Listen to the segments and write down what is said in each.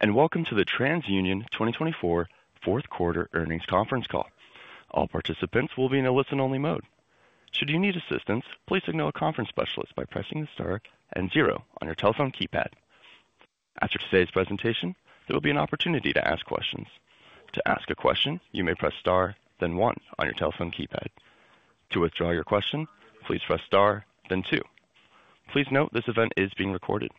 Good morning, and welcome to the TransUnion 2024 fourth quarter earnings conference call. All participants will be in a listen-only mode. Should you need assistance, please signal a conference specialist by pressing the star and zero on your telephone keypad. After today's presentation, there will be an opportunity to ask questions. To ask a question, you may press star, then one on your telephone keypad. To withdraw your question, please press star, then two. Please note this event is being recorded.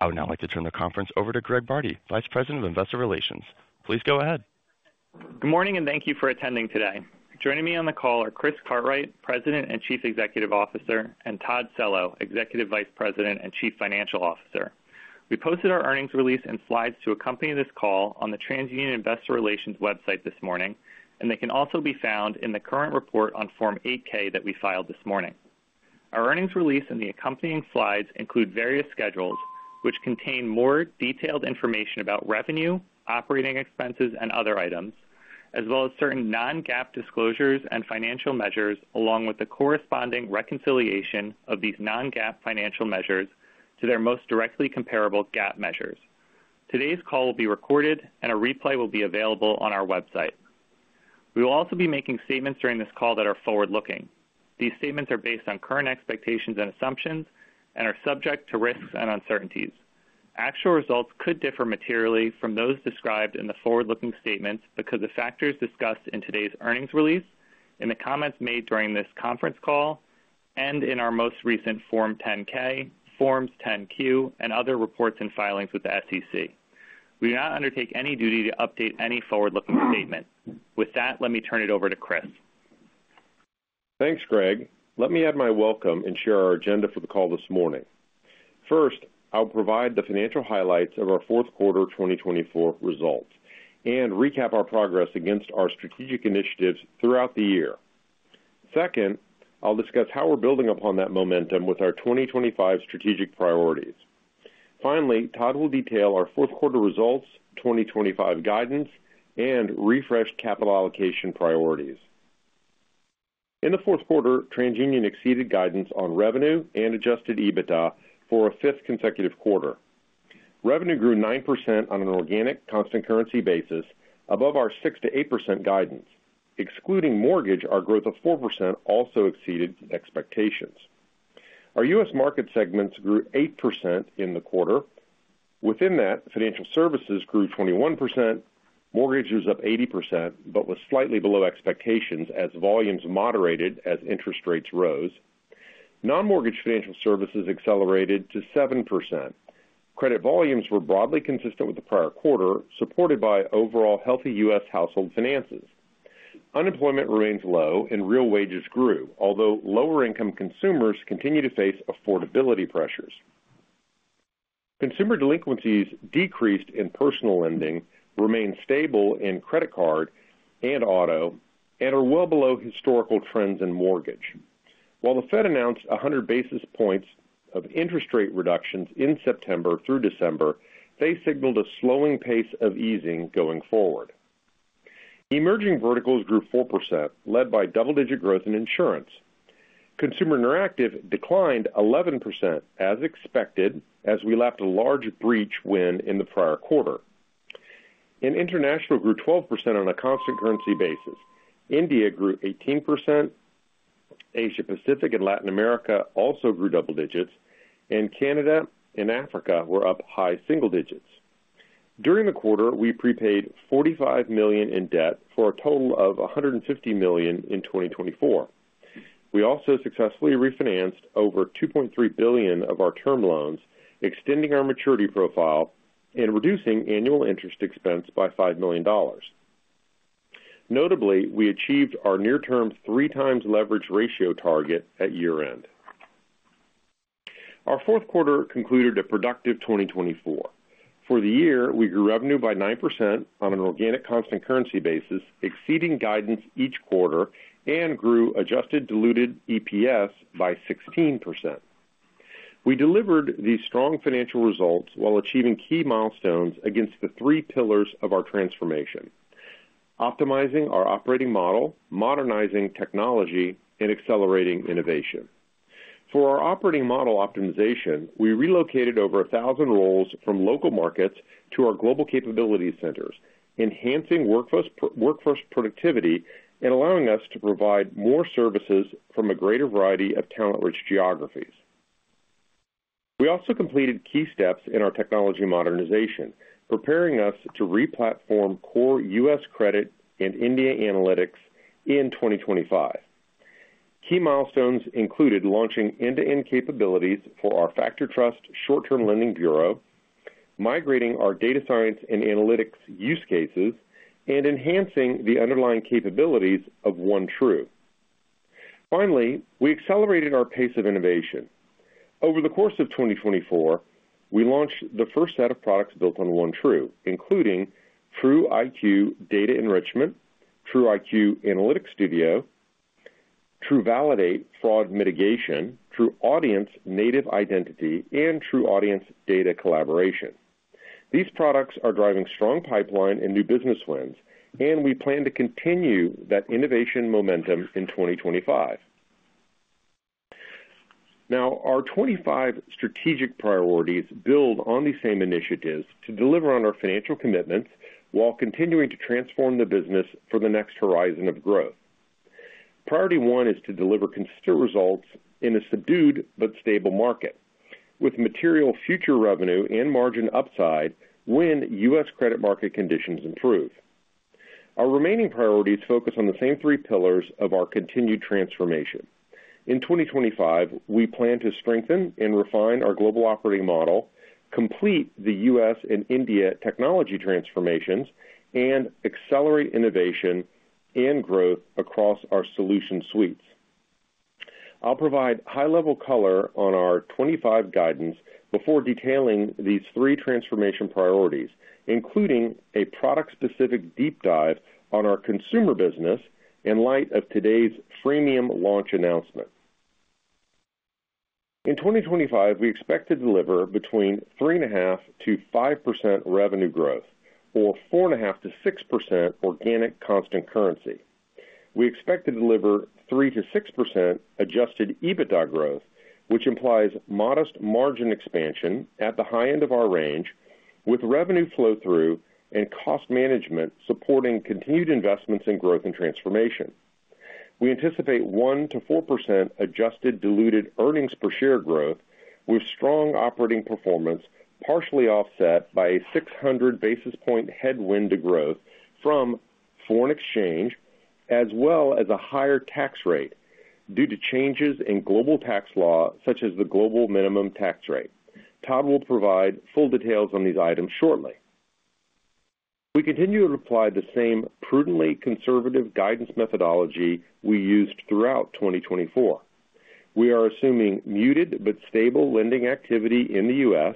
I would now like to turn the conference over to Greg Bardi, Vice President of Investor Relations. Please go ahead. Good morning, and thank you for attending today. Joining me on the call are Chris Cartwright, President and Chief Executive Officer, and Todd Cello, Executive Vice President and Chief Financial Officer. We posted our earnings release and slides to accompany this call on the TransUnion Investor Relations website this morning, and they can also be found in the current report on Form 8-K that we filed this morning. Our earnings release and the accompanying slides include various schedules which contain more detailed information about revenue, operating expenses, and other items, as well as certain non-GAAP disclosures and financial measures, along with the corresponding reconciliation of these non-GAAP financial measures to their most directly comparable GAAP measures. Today's call will be recorded, and a replay will be available on our website. We will also be making statements during this call that are forward-looking. These statements are based on current expectations and assumptions and are subject to risks and uncertainties. Actual results could differ materially from those described in the forward-looking statements because of the factors discussed in today's earnings release, in the comments made during this conference call, and in our most recent Form 10-K, Forms 10-Q, and other reports and filings with the SEC. We do not undertake any duty to update any forward-looking statement. With that, let me turn it over to Chris. Thanks, Greg. Let me add my welcome and share our agenda for the call this morning. First, I'll provide the financial highlights of our fourth quarter 2024 results and recap our progress against our strategic initiatives throughout the year. Second, I'll discuss how we're building upon that momentum with our 2025 strategic priorities. Finally, Todd will detail our fourth quarter results, 2025 guidance, and refreshed capital allocation priorities. In the fourth quarter, TransUnion exceeded guidance on revenue and adjusted EBITDA for a fifth consecutive quarter. Revenue grew 9% on an organic constant currency basis, above our 6%-8% guidance. Excluding mortgage, our growth of 4% also exceeded expectations. Our U.S. Markets segments grew 8% in the quarter. Within that, financial services grew 21%. Mortgage was up 80%, but was slightly below expectations as volumes moderated as interest rates rose. Non-mortgage financial services accelerated to 7%. Credit volumes were broadly consistent with the prior quarter, supported by overall healthy U.S. household finances. Unemployment remains low, and real wages grew, although lower-income consumers continue to face affordability pressures. Consumer delinquencies decreased in personal lending, remained stable in credit card and auto, and are well below historical trends in mortgage. While the Fed announced 100 basis points of interest rate reductions in September through December, they signaled a slowing pace of easing going forward. Emerging Verticals grew 4%, led by double-digit growth in insurance. Consumer Interactive declined 11%, as expected, as we lapped a large breach win in the prior quarter. In International, grew 12% on a constant currency basis. India grew 18%. Asia-Pacific and Latin America also grew double digits, and Canada and Africa were up high single digits. During the quarter, we prepaid $45 million in debt for a total of $150 million in 2024. We also successfully refinanced over $2.3 billion of our term loans, extending our maturity profile and reducing annual interest expense by $5 million. Notably, we achieved our near-term three-times leverage ratio target at year-end. Our fourth quarter concluded a productive 2024. For the year, we grew revenue by 9% on an organic constant currency basis, exceeding guidance each quarter, and grew adjusted diluted EPS by 16%. We delivered these strong financial results while achieving key milestones against the three pillars of our transformation: optimizing our operating model, modernizing technology, and accelerating innovation. For our operating model optimization, we relocated over 1,000 roles from local markets to our Global Capability Centers, enhancing workforce productivity and allowing us to provide more services from a greater variety of talent-rich geographies. We also completed key steps in our technology modernization, preparing us to replatform core U.S. credit and India analytics in 2025. Key milestones included launching end-to-end capabilities for our FactorTrust Short-Term Lending Bureau, migrating our data science and analytics use cases, and enhancing the underlying capabilities of OneTru. Finally, we accelerated our pace of innovation. Over the course of 2024, we launched the first set of products built on OneTru, including TruIQ Data Enrichment, TruIQ Analytics Studio, TruValidate Fraud Mitigation, TruAudience Native Identity, and TruAudience Data Collaboration. These products are driving strong pipeline and new business wins, and we plan to continue that innovation momentum in 2025. Now, our 2025 strategic priorities build on the same initiatives to deliver on our financial commitments while continuing to transform the business for the next horizon of growth. Priority one is to deliver consistent results in a subdued but stable market, with material future revenue and margin upside when U.S. credit market conditions improve. Our remaining priorities focus on the same three pillars of our continued transformation. In 2025, we plan to strengthen and refine our global operating model, complete the U.S. and India technology transformations, and accelerate innovation and growth across our solution suites. I'll provide high-level color on our 2025 guidance before detailing these three transformation priorities, including a product-specific deep dive on our consumer business in light of today's freemium launch announcement. In 2025, we expect to deliver between 3.5%-5% revenue growth, or 4.5%-6% organic constant currency. We expect to deliver 3%-6% Adjusted EBITDA growth, which implies modest margin expansion at the high end of our range, with revenue flow-through and cost management supporting continued investments in growth and transformation. We anticipate 1%-4% adjusted diluted earnings per share growth, with strong operating performance partially offset by a 600 basis point headwind to growth from foreign exchange, as well as a higher tax rate due to changes in global tax law, such as the global minimum tax rate. Todd will provide full details on these items shortly. We continue to apply the same prudently conservative guidance methodology we used throughout 2024. We are assuming muted but stable lending activity in the U.S.,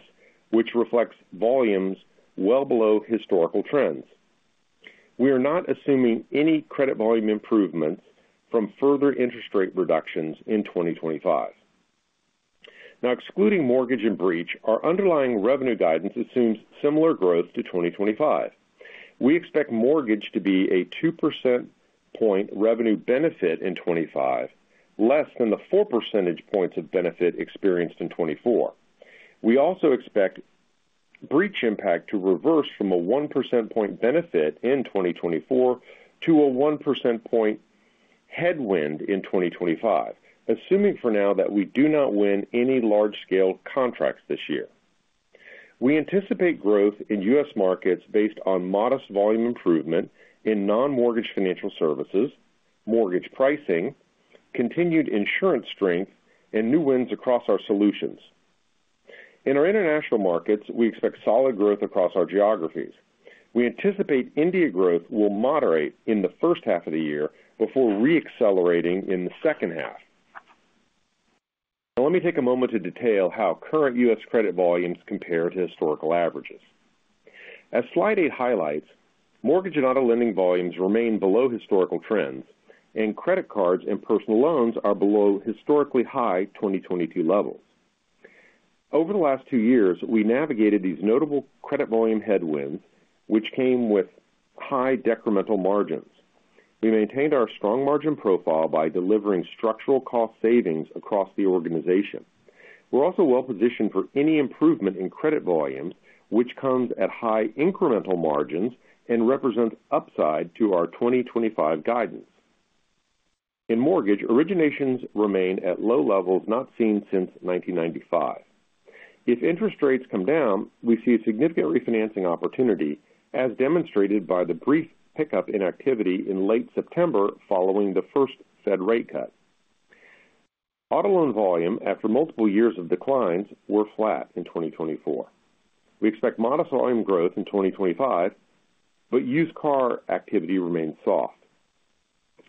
which reflects volumes well below historical trends. We are not assuming any credit volume improvements from further interest rate reductions in 2025. Now, excluding mortgage and breach, our underlying revenue guidance assumes similar growth to 2025. We expect mortgage to be a 2 percentage point revenue benefit in 2025, less than the 4 percentage points of benefit experienced in 2024. We also expect breach impact to reverse from a 1 percent point benefit in 2024 to a 1 percent point headwind in 2025, assuming for now that we do not win any large-scale contracts this year. We anticipate growth in U.S. markets based on modest volume improvement in non-mortgage financial services, mortgage pricing, continued insurance strength, and new wins across our solutions. In our International markets, we expect solid growth across our geographies. We anticipate India growth will moderate in the first half of the year before re-accelerating in the second half. Now, let me take a moment to detail how current U.S. credit volumes compare to historical averages. As Slide 8 highlights, mortgage and auto lending volumes remain below historical trends, and credit cards and personal loans are below historically high 2022 levels. Over the last two years, we navigated these notable credit volume headwinds, which came with high decremental margins. We maintained our strong margin profile by delivering structural cost savings across the organization. We're also well-positioned for any improvement in credit volumes, which comes at high incremental margins and represents upside to our 2025 guidance. In mortgage, originations remain at low levels not seen since 1995. If interest rates come down, we see a significant refinancing opportunity, as demonstrated by the brief pickup in activity in late September following the first Fed rate cut. Auto loan volume, after multiple years of declines, were flat in 2024. We expect modest volume growth in 2025, but used car activity remains soft.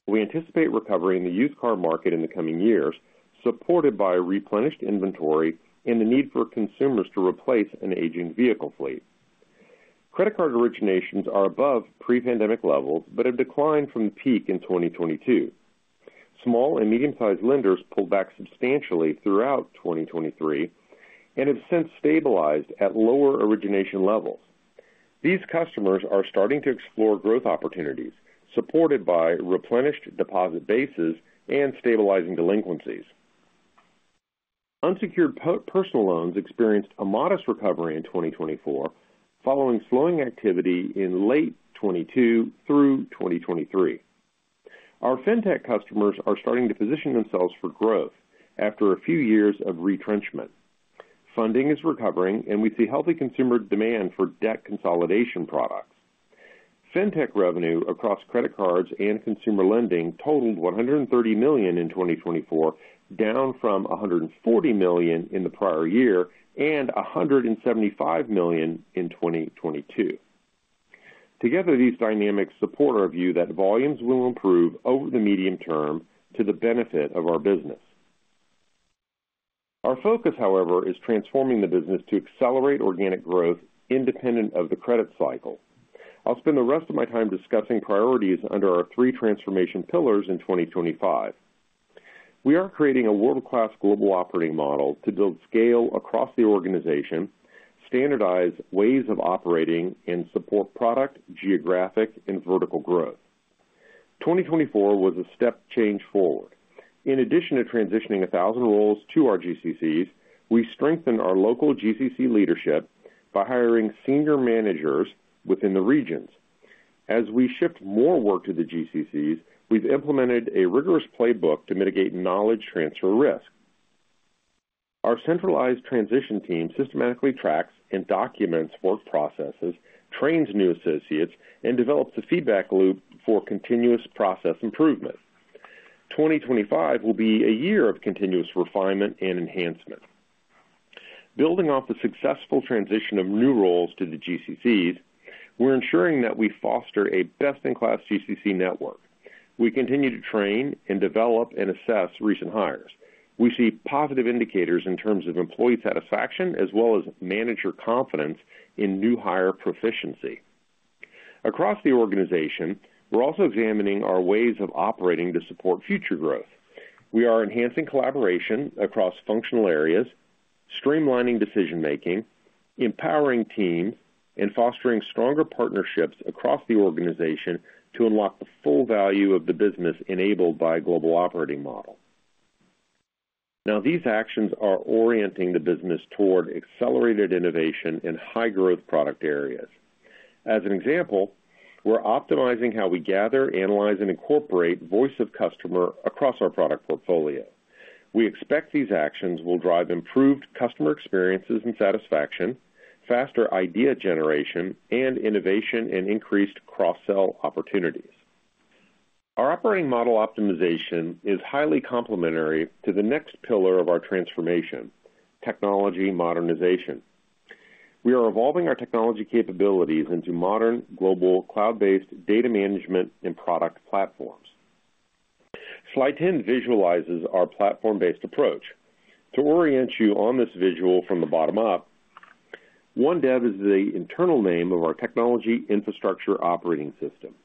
We anticipate recovery in the used car market in the coming years, supported by replenished inventory and the need for consumers to replace an aging vehicle fleet. Credit card originations are above pre-pandemic levels but have declined from the peak in 2022. Small and medium-sized lenders pulled back substantially throughout 2023 and have since stabilized at lower origination levels. These customers are starting to explore growth opportunities, supported by replenished deposit bases and stabilizing delinquencies. Unsecured personal loans experienced a modest recovery in 2024, following slowing activity in late 2022 through 2023. Our fintech customers are starting to position themselves for growth after a few years of retrenchment. Funding is recovering, and we see healthy consumer demand for debt consolidation products. Fintech revenue across credit cards and consumer lending totaled $130 million in 2024, down from $140 million in the prior year and $175 million in 2022. Together, these dynamics support our view that volumes will improve over the medium term to the benefit of our business. Our focus, however, is transforming the business to accelerate organic growth independent of the credit cycle. I'll spend the rest of my time discussing priorities under our three transformation pillars in 2025. We are creating a world-class global operating model to build scale across the organization, standardize ways of operating, and support product, geographic, and vertical growth. 2024 was a step change forward. In addition to transitioning 1,000 roles to our GCCs, we strengthened our local GCC leadership by hiring senior managers within the regions. As we shift more work to the GCCs, we've implemented a rigorous playbook to mitigate knowledge transfer risk. Our centralized transition team systematically tracks and documents work processes, trains new associates, and develops a feedback loop for continuous process improvement. 2025 will be a year of continuous refinement and enhancement. Building off the successful transition of new roles to the GCCs, we're ensuring that we foster a best-in-class GCC network. We continue to train and develop and assess recent hires. We see positive indicators in terms of employee satisfaction as well as manager confidence in new hire proficiency. Across the organization, we're also examining our ways of operating to support future growth. We are enhancing collaboration across functional areas, streamlining decision-making, empowering teams, and fostering stronger partnerships across the organization to unlock the full value of the business enabled by a global operating model. Now, these actions are orienting the business toward accelerated innovation in high-growth product areas. As an example, we're optimizing how we gather, analyze, and incorporate voice of customer across our product portfolio. We expect these actions will drive improved customer experiences and satisfaction, faster idea generation, and innovation and increased cross-sell opportunities. Our operating model optimization is highly complementary to the next pillar of our transformation: technology modernization. We are evolving our technology capabilities into modern, global, cloud-based data management and product platforms. Slide 10 visualizes our platform-based approach. To orient you on this visual from the bottom up, OneDev is the internal name of our technology infrastructure operating system.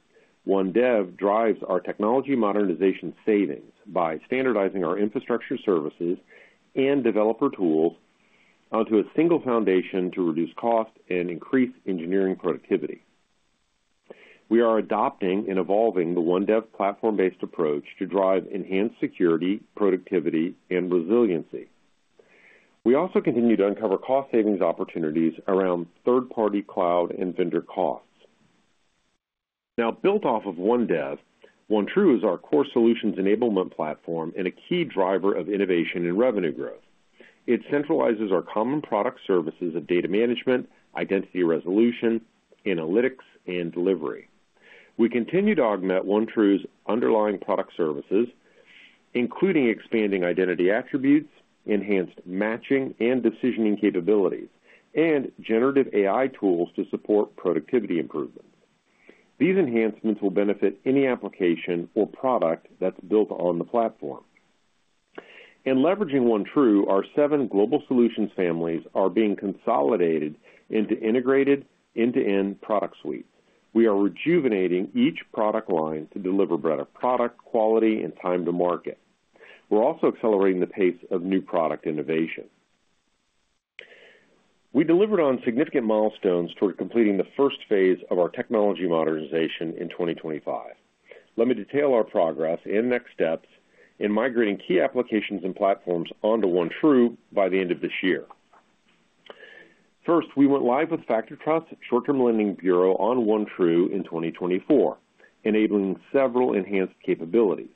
OneDev drives our technology modernization savings by standardizing our infrastructure services and developer tools onto a single foundation to reduce cost and increase engineering productivity. We are adopting and evolving the OneDev platform-based approach to drive enhanced security, productivity, and resiliency. We also continue to uncover cost savings opportunities around third-party cloud and vendor costs. Now, built off of OneDev, OneTru is our core solutions enablement platform and a key driver of innovation and revenue growth. It centralizes our common product services of data management, identity resolution, analytics, and delivery. We continue to augment OneTru's underlying product services, including expanding identity attributes, enhanced matching and decisioning capabilities, and generative AI tools to support productivity improvements. These enhancements will benefit any application or product that's built on the platform. In leveraging OneTru, our seven global solutions families are being consolidated into integrated end-to-end product suites. We are rejuvenating each product line to deliver better product quality and time to market. We're also accelerating the pace of new product innovation. We delivered on significant milestones toward completing the first phase of our technology modernization in 2025. Let me detail our progress and next steps in migrating key applications and platforms onto OneTru by the end of this year. First, we went live with FactorTrust Short-Term Lending Bureau on OneTru in 2024, enabling several enhanced capabilities.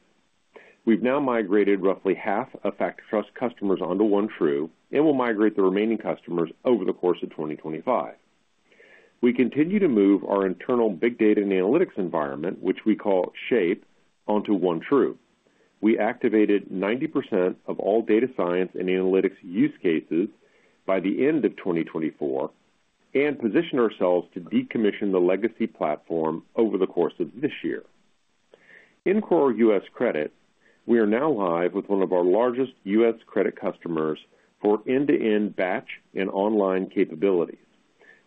We've now migrated roughly half of FactorTrust customers onto OneTru and will migrate the remaining customers over the course of 2025. We continue to move our internal big data and analytics environment, which we call SHAPE, onto OneTru. We activated 90% of all data science and analytics use cases by the end of 2024 and positioned ourselves to decommission the legacy platform over the course of this year. In core U.S. credit, we are now live with one of our largest U.S. credit customers for end-to-end batch and online capabilities.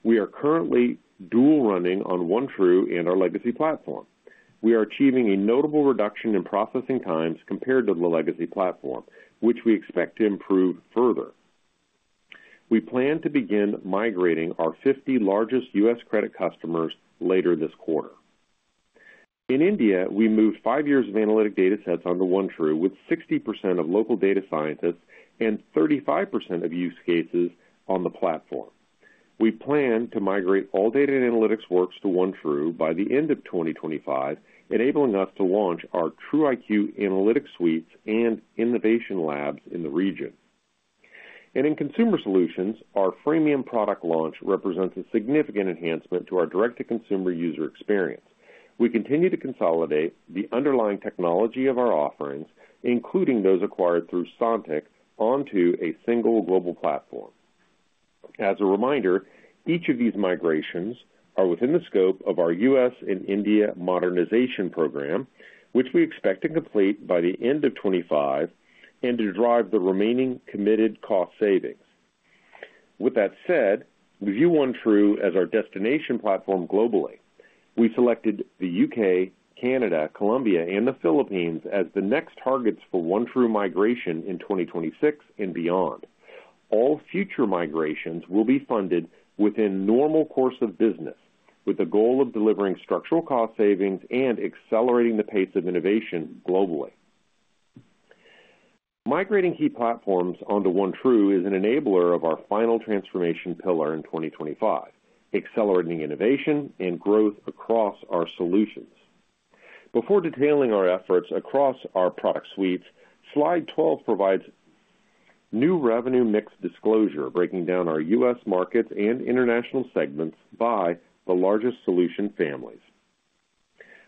We are currently dual-running on OneTru and our legacy platform. We are achieving a notable reduction in processing times compared to the legacy platform, which we expect to improve further. We plan to begin migrating our 50 largest U.S. credit customers later this quarter. In India, we moved five years of analytic data sets onto OneTru with 60% of local data scientists and 35% of use cases on the platform. We plan to migrate all data and analytics works to OneTru by the end of 2025, enabling us to launch our TruIQ Analytics Suites and innovation labs in the region. And in consumer solutions, our freemium product launch represents a significant enhancement to our direct-to-consumer user experience. We continue to consolidate the underlying technology of our offerings, including those acquired through Sontiq, onto a single global platform. As a reminder, each of these migrations are within the scope of our U.S. and India modernization program, which we expect to complete by the end of 2025 and to drive the remaining committed cost savings. With that said, we view OneTru as our destination platform globally. We selected the UK, Canada, Colombia, and the Philippines as the next targets for OneTru migration in 2026 and beyond. All future migrations will be funded within normal course of business, with the goal of delivering structural cost savings and accelerating the pace of innovation globally. Migrating key platforms onto OneTru is an enabler of our final transformation pillar in 2025, accelerating innovation and growth across our solutions. Before detailing our efforts across our product suites, Slide 12 provides new revenue mix disclosure, breaking down our U.S. markets and International segments by the largest solution families.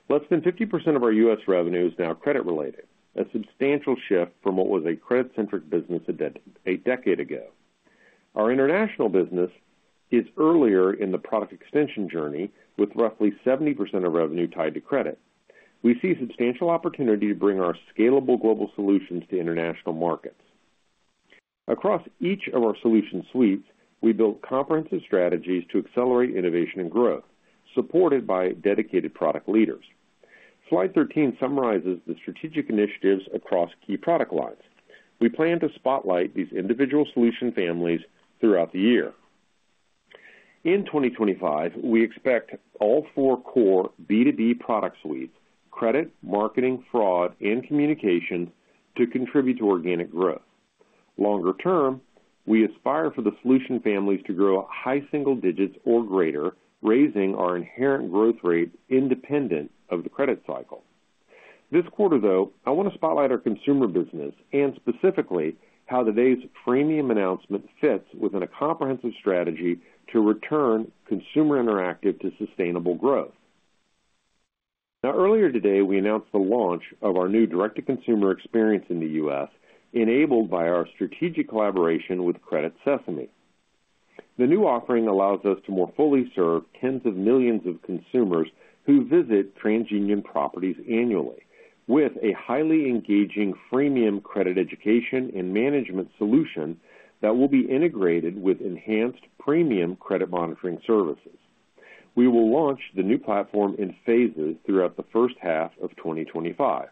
Less than 50% of our U.S. revenue is now credit-related, a substantial shift from what was a credit-centric business a decade ago. Our International business is earlier in the product extension journey, with roughly 70% of revenue tied to credit. We see substantial opportunity to bring our scalable global solutions to International markets. Across each of our solution suites, we built comprehensive strategies to accelerate innovation and growth, supported by dedicated product leaders. Slide 13 summarizes the strategic initiatives across key product lines. We plan to spotlight these individual solution families throughout the year. In 2025, we expect all four core B2B product suites, credit, marketing, fraud, and communication, to contribute to organic growth. Longer term, we aspire for the solution families to grow high single digits or greater, raising our inherent growth rate independent of the credit cycle. This quarter, though, I want to spotlight our consumer business and specifically how today's freemium announcement fits within a comprehensive strategy to return Consumer Interactive to sustainable growth. Now, earlier today, we announced the launch of our new direct-to-consumer experience in the U.S., enabled by our strategic collaboration with Credit Sesame. The new offering allows us to more fully serve tens of millions of consumers who visit TransUnion properties annually, with a highly engaging freemium credit education and management solution that will be integrated with enhanced premium credit monitoring services. We will launch the new platform in phases throughout the first half of 2025.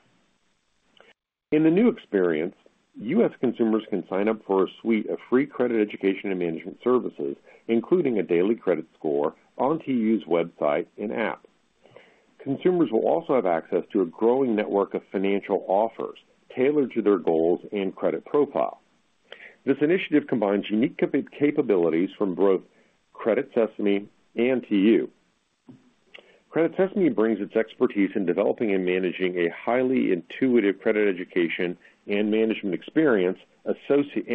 In the new experience, U.S. consumers can sign up for a suite of free credit education and management services, including a daily credit score on the U.S. website and app. Consumers will also have access to a growing network of financial offers tailored to their goals and credit profile. This initiative combines unique capabilities from both Credit Sesame and TransUnion. Credit Sesame brings its expertise in developing and managing a highly intuitive credit education and management experience and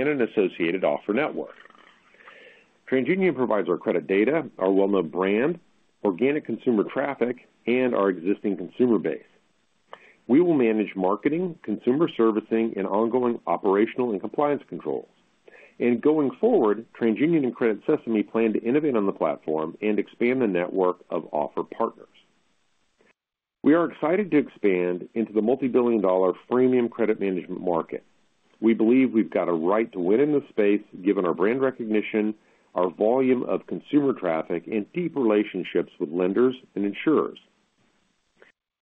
an associated offer network. TransUnion provides our credit data, our well-known brand, organic consumer traffic, and our existing consumer base. We will manage marketing, consumer servicing, and ongoing operational and compliance controls. Going forward, TransUnion and Credit Sesame plan to innovate on the platform and expand the network of offer partners. We are excited to expand into the multi-billion dollar freemium credit management market. We believe we've got a right to win in this space, given our brand recognition, our volume of consumer traffic, and deep relationships with lenders and insurers.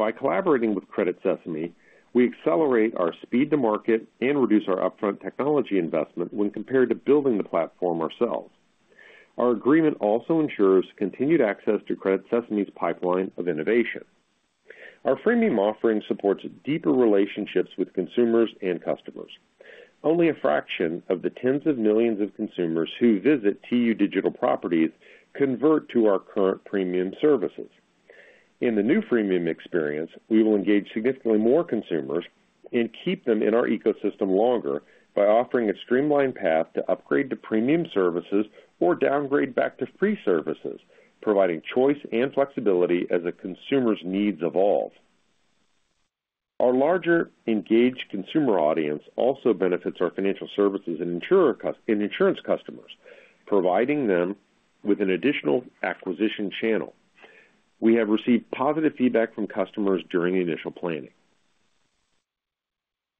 By collaborating with Credit Sesame, we accelerate our speed to market and reduce our upfront technology investment when compared to building the platform ourselves. Our agreement also ensures continued access to Credit Sesame's pipeline of innovation. Our freemium offering supports deeper relationships with consumers and customers. Only a fraction of the tens of millions of consumers who visit TU Digital properties convert to our current premium services. In the new freemium experience, we will engage significantly more consumers and keep them in our ecosystem longer by offering a streamlined path to upgrade to premium services or downgrade back to free services, providing choice and flexibility as consumers' needs evolve. Our larger engaged consumer audience also benefits our financial services and insurance customers, providing them with an additional acquisition channel. We have received positive feedback from customers during the initial planning.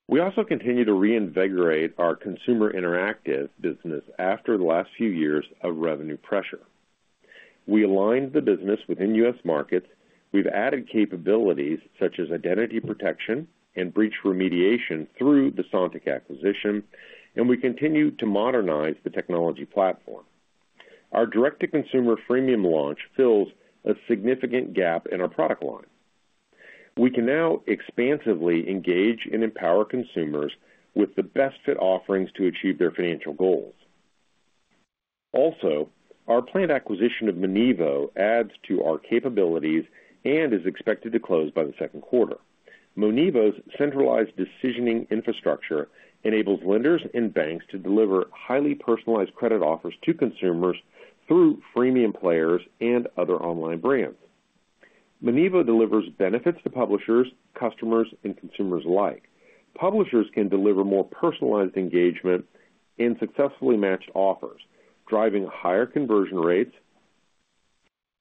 We also continue to reinvigorate our Consumer Interactive business after the last few years of revenue pressure. We aligned the business within U.S. markets. We've added capabilities such as identity protection and breach remediation through the Sontiq acquisition, and we continue to modernize the technology platform. Our direct-to-consumer freemium launch fills a significant gap in our product line. We can now expansively engage and empower consumers with the best-fit offerings to achieve their financial goals. Also, our planned acquisition of Monevo adds to our capabilities and is expected to close by the second quarter. Monevo's centralized decisioning infrastructure enables lenders and banks to deliver highly personalized credit offers to consumers through freemium players and other online brands. Monevo delivers benefits to publishers, customers, and consumers alike. Publishers can deliver more personalized engagement and successfully matched offers, driving higher conversion rates.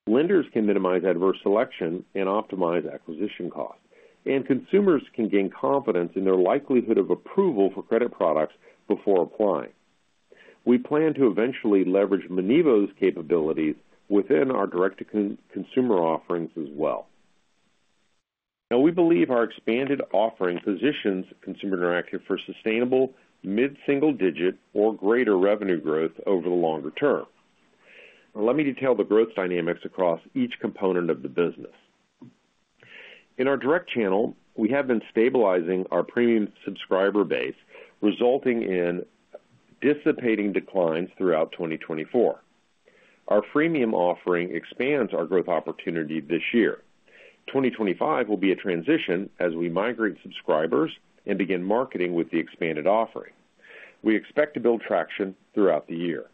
Lenders can minimize adverse selection and optimize acquisition costs, and consumers can gain confidence in their likelihood of approval for credit products before applying. We plan to eventually leverage Monevo's capabilities within our direct-to-consumer offerings as well. Now, we believe our expanded offering positions Consumer Interactive for sustainable mid-single-digit or greater revenue growth over the longer term. Now, let me detail the growth dynamics across each component of the business. In our direct channel, we have been stabilizing our premium subscriber base, resulting in dissipating declines throughout 2024. Our freemium offering expands our growth opportunity this year. 2025 will be a transition as we migrate subscribers and begin marketing with the expanded offering. We expect to build traction throughout the year.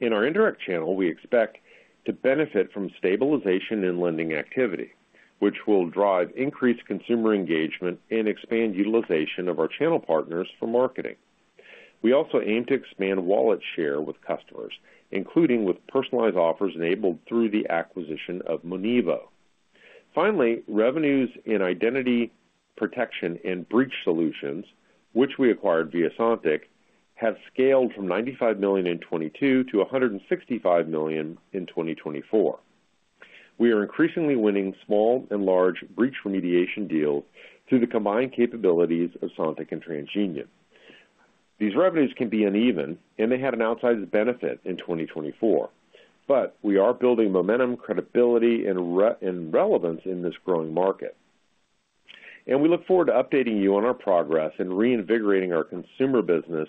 In our indirect channel, we expect to benefit from stabilization in lending activity, which will drive increased consumer engagement and expand utilization of our channel partners for marketing. We also aim to expand wallet share with customers, including with personalized offers enabled through the acquisition of Monevo. Finally, revenues in identity protection and breach solutions, which we acquired via Sontiq, have scaled from $95 million in 2022 to $165 million in 2024. We are increasingly winning small and large breach remediation deals through the combined capabilities of Sontiq and TransUnion. These revenues can be uneven, and they had an outsized benefit in 2024, but we are building momentum, credibility, and relevance in this growing market, and we look forward to updating you on our progress and reinvigorating our consumer business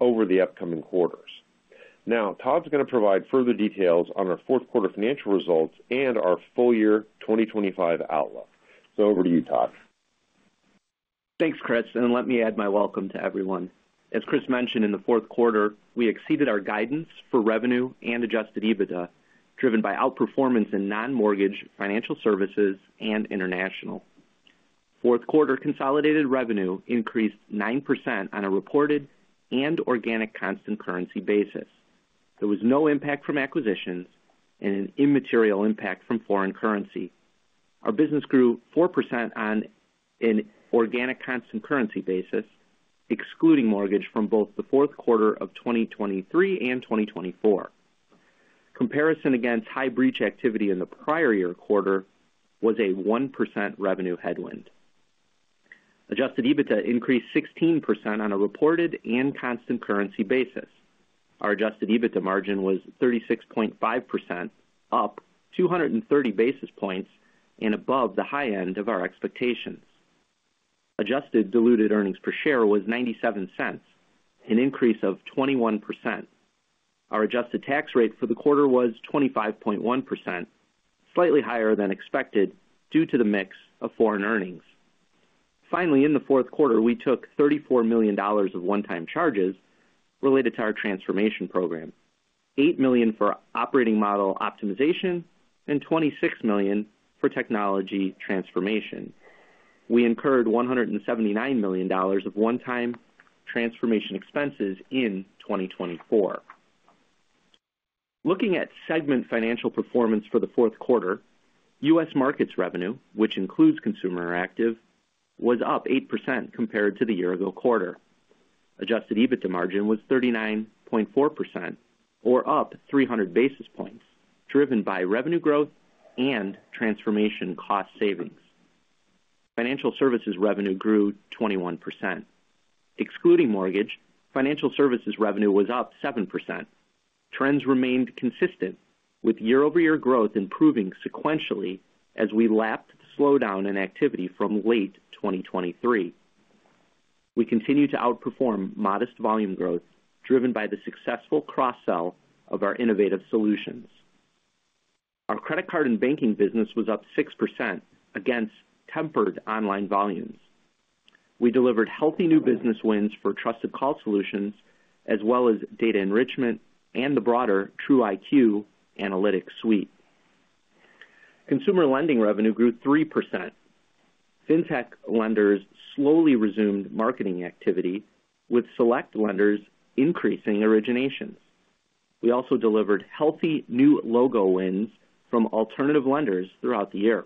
over the upcoming quarters. Now, Todd's going to provide further details on our fourth quarter financial results and our full year 2025 outlook, so over to you, Todd. Thanks, Chris, and let me add my welcome to everyone. As Chris mentioned, in the fourth quarter, we exceeded our guidance for revenue and adjusted EBITDA, driven by outperformance in non-mortgage financial services and International. Fourth quarter consolidated revenue increased 9% on a reported and organic constant currency basis. There was no impact from acquisitions and an immaterial impact from foreign currency. Our business grew 4% on an organic constant currency basis, excluding mortgage from both the fourth quarter of 2023 and 2024. Comparison against high breach activity in the prior year quarter was a 1% revenue headwind. Adjusted EBITDA increased 16% on a reported and constant currency basis. Our adjusted EBITDA margin was 36.5%, up 230 basis points and above the high end of our expectations. Adjusted diluted earnings per share was $0.97, an increase of 21%. Our adjusted tax rate for the quarter was 25.1%, slightly higher than expected due to the mix of foreign earnings. Finally, in the fourth quarter, we took $34 million of one-time charges related to our transformation program, $8 million for operating model optimization, and $26 million for technology transformation. We incurred $179 million of one-time transformation expenses in 2024. Looking at segment financial performance for the fourth quarter, U.S. markets revenue, which includes Consumer Interactive, was up 8% compared to the year-ago quarter. Adjusted EBITDA margin was 39.4%, or up 300 basis points, driven by revenue growth and transformation cost savings. Financial services revenue grew 21%. Excluding mortgage, financial services revenue was up 7%. Trends remained consistent, with year-over-year growth improving sequentially as we lapped the slowdown in activity from late 2023. We continue to outperform modest volume growth, driven by the successful cross-sell of our innovative solutions. Our credit card and banking business was up 6% against tempered online volumes. We delivered healthy new business wins for Trusted Call Solutions, as well as data enrichment and the broader TruIQ Analytics Suite. Consumer lending revenue grew 3%. Fintech lenders slowly resumed marketing activity, with select lenders increasing originations. We also delivered healthy new logo wins from alternative lenders throughout the year.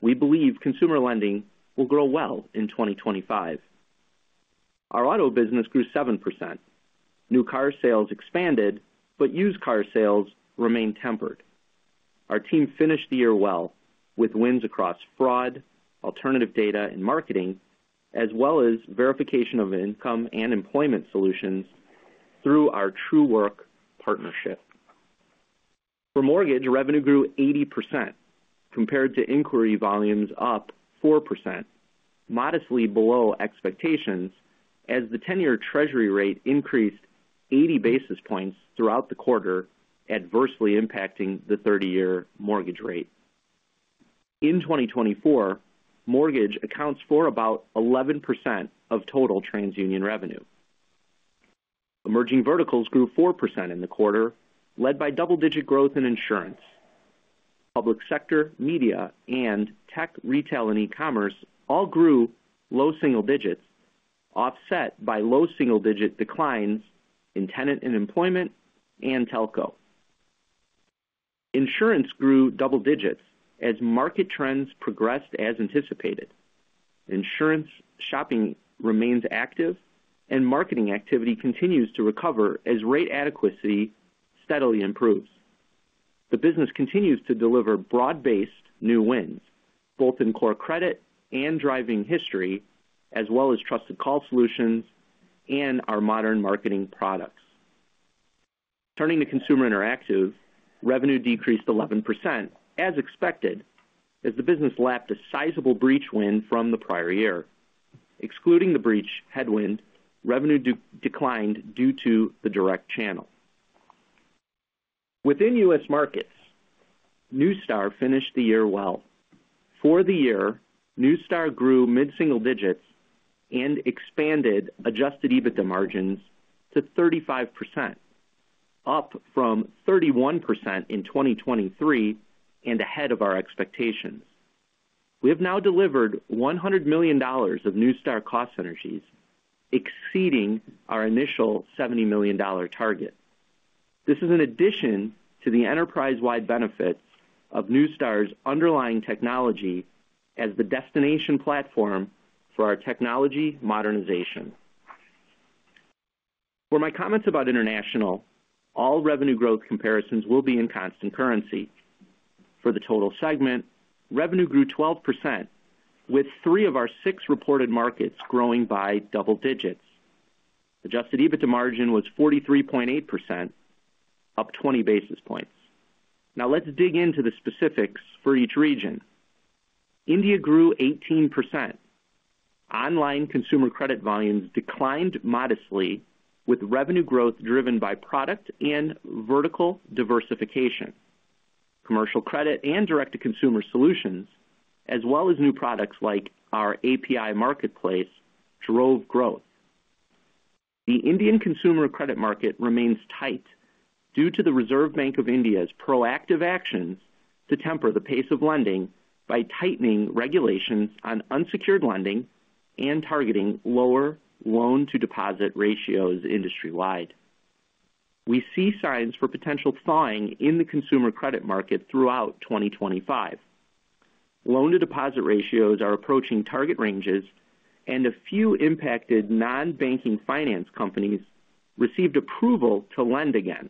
We believe consumer lending will grow well in 2025. Our auto business grew 7%. New car sales expanded, but used car sales remained tempered. Our team finished the year well with wins across fraud, alternative data, and marketing, as well as verification of income and employment solutions through our Truework partnership. For mortgage, revenue grew 80% compared to inquiry volumes up 4%, modestly below expectations, as the 10-year Treasury rate increased 80 basis points throughout the quarter, adversely impacting the 30-year mortgage rate. In 2024, mortgage accounts for about 11% of total TransUnion revenue. Emerging Verticals grew 4% in the quarter, led by double-digit growth in insurance. Public sector, media, and tech, retail, and e-commerce all grew low single digits, offset by low single-digit declines in tenant and employment and telco. Insurance grew double digits as market trends progressed as anticipated. Insurance shopping remains active, and marketing activity continues to recover as rate adequacy steadily improves. The business continues to deliver broad-based new wins, both in core credit and driving history, as well as Trusted Call Solutions and our modern marketing products. Turning to Consumer Interactive, revenue decreased 11%, as expected, as the business lapped a sizable breach win from the prior year. Excluding the breach headwind, revenue declined due to the direct channel. Within U.S. markets, Neustar finished the year well. For the year, Neustar grew mid-single digits and expanded adjusted EBITDA margins to 35%, up from 31% in 2023 and ahead of our expectations. We have now delivered $100 million of Neustar cost synergies, exceeding our initial $70 million target. This is in addition to the enterprise-wide benefits of Neustar's underlying technology as the destination platform for our technology modernization. For my comments about International, all revenue growth comparisons will be in constant currency. For the total segment, revenue grew 12%, with three of our six reported markets growing by double digits. Adjusted EBITDA margin was 43.8%, up 20 basis points. Now, let's dig into the specifics for each region. India grew 18%. Online consumer credit volumes declined modestly, with revenue growth driven by product and vertical diversification. Commercial credit and direct-to-consumer solutions, as well as new products like our API marketplace, drove growth. The Indian consumer credit market remains tight due to the Reserve Bank of India's proactive actions to temper the pace of lending by tightening regulations on unsecured lending and targeting lower loan-to-deposit ratios industry-wide. We see signs for potential thawing in the consumer credit market throughout 2025. Loan-to-deposit ratios are approaching target ranges, and a few impacted non-banking finance companies received approval to lend again.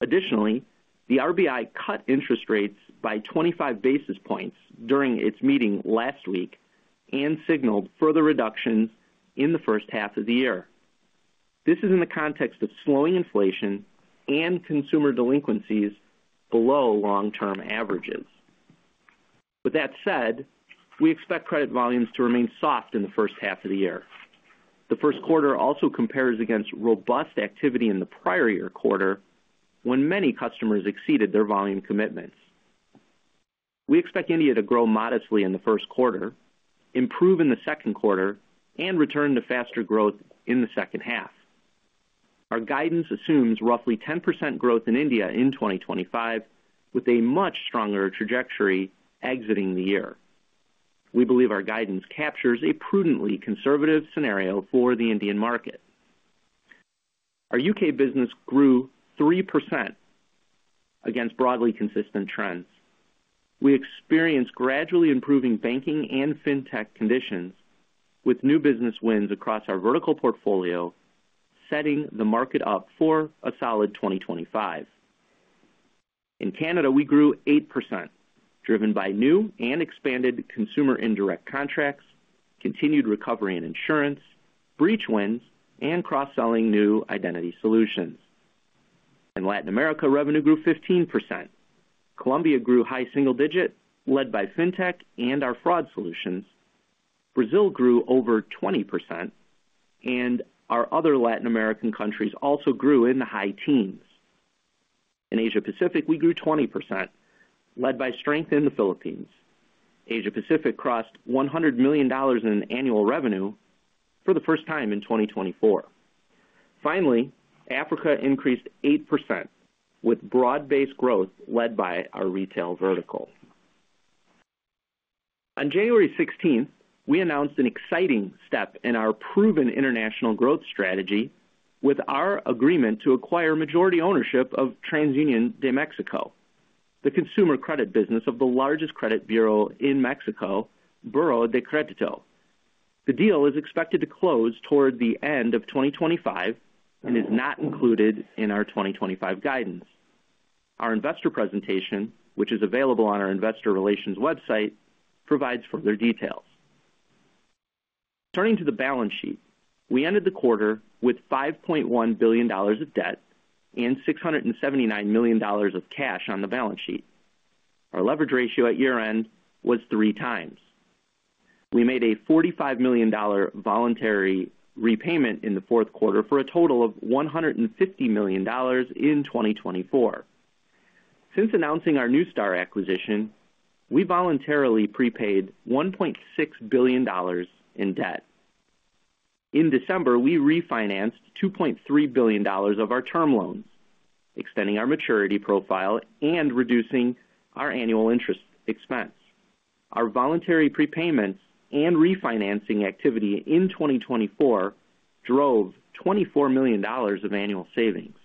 Additionally, the RBI cut interest rates by 25 basis points during its meeting last week and signaled further reductions in the first half of the year. This is in the context of slowing inflation and consumer delinquencies below long-term averages. With that said, we expect credit volumes to remain soft in the first half of the year. The first quarter also compares against robust activity in the prior year quarter, when many customers exceeded their volume commitments. We expect India to grow modestly in the first quarter, improve in the second quarter, and return to faster growth in the second half. Our guidance assumes roughly 10% growth in India in 2025, with a much stronger trajectory exiting the year. We believe our guidance captures a prudently conservative scenario for the Indian market. Our UK business grew 3% against broadly consistent trends. We experience gradually improving banking and fintech conditions, with new business wins across our vertical portfolio setting the market up for a solid 2025. In Canada, we grew 8%, driven by new and expanded consumer indirect contracts, continued recovery in insurance, breach wins, and cross-selling new identity solutions. In Latin America, revenue grew 15%. Colombia grew high single digit, led by fintech and our fraud solutions. Brazil grew over 20%, and our other Latin American countries also grew in the high teens. In Asia-Pacific, we grew 20%, led by strength in the Philippines. Asia-Pacific crossed $100 million in annual revenue for the first time in 2024. Finally, Africa increased 8%, with broad-based growth led by our retail vertical. On January 16th, we announced an exciting step in our proven International growth strategy with our agreement to acquire majority ownership of TransUnion de Mexico, the consumer credit business of the largest credit bureau in Mexico, Buró de Crédito. The deal is expected to close toward the end of 2025 and is not included in our 2025 guidance. Our investor presentation, which is available on our investor relations website, provides further details. Turning to the balance sheet, we ended the quarter with $5.1 billion of debt and $679 million of cash on the balance sheet. Our leverage ratio at year-end was three times. We made a $45 million voluntary repayment in the fourth quarter for a total of $150 million in 2024. Since announcing our Neustar acquisition, we voluntarily prepaid $1.6 billion in debt. In December, we refinanced $2.3 billion of our term loans, extending our maturity profile and reducing our annual interest expense. Our voluntary prepayments and refinancing activity in 2024 drove $24 million of annual savings.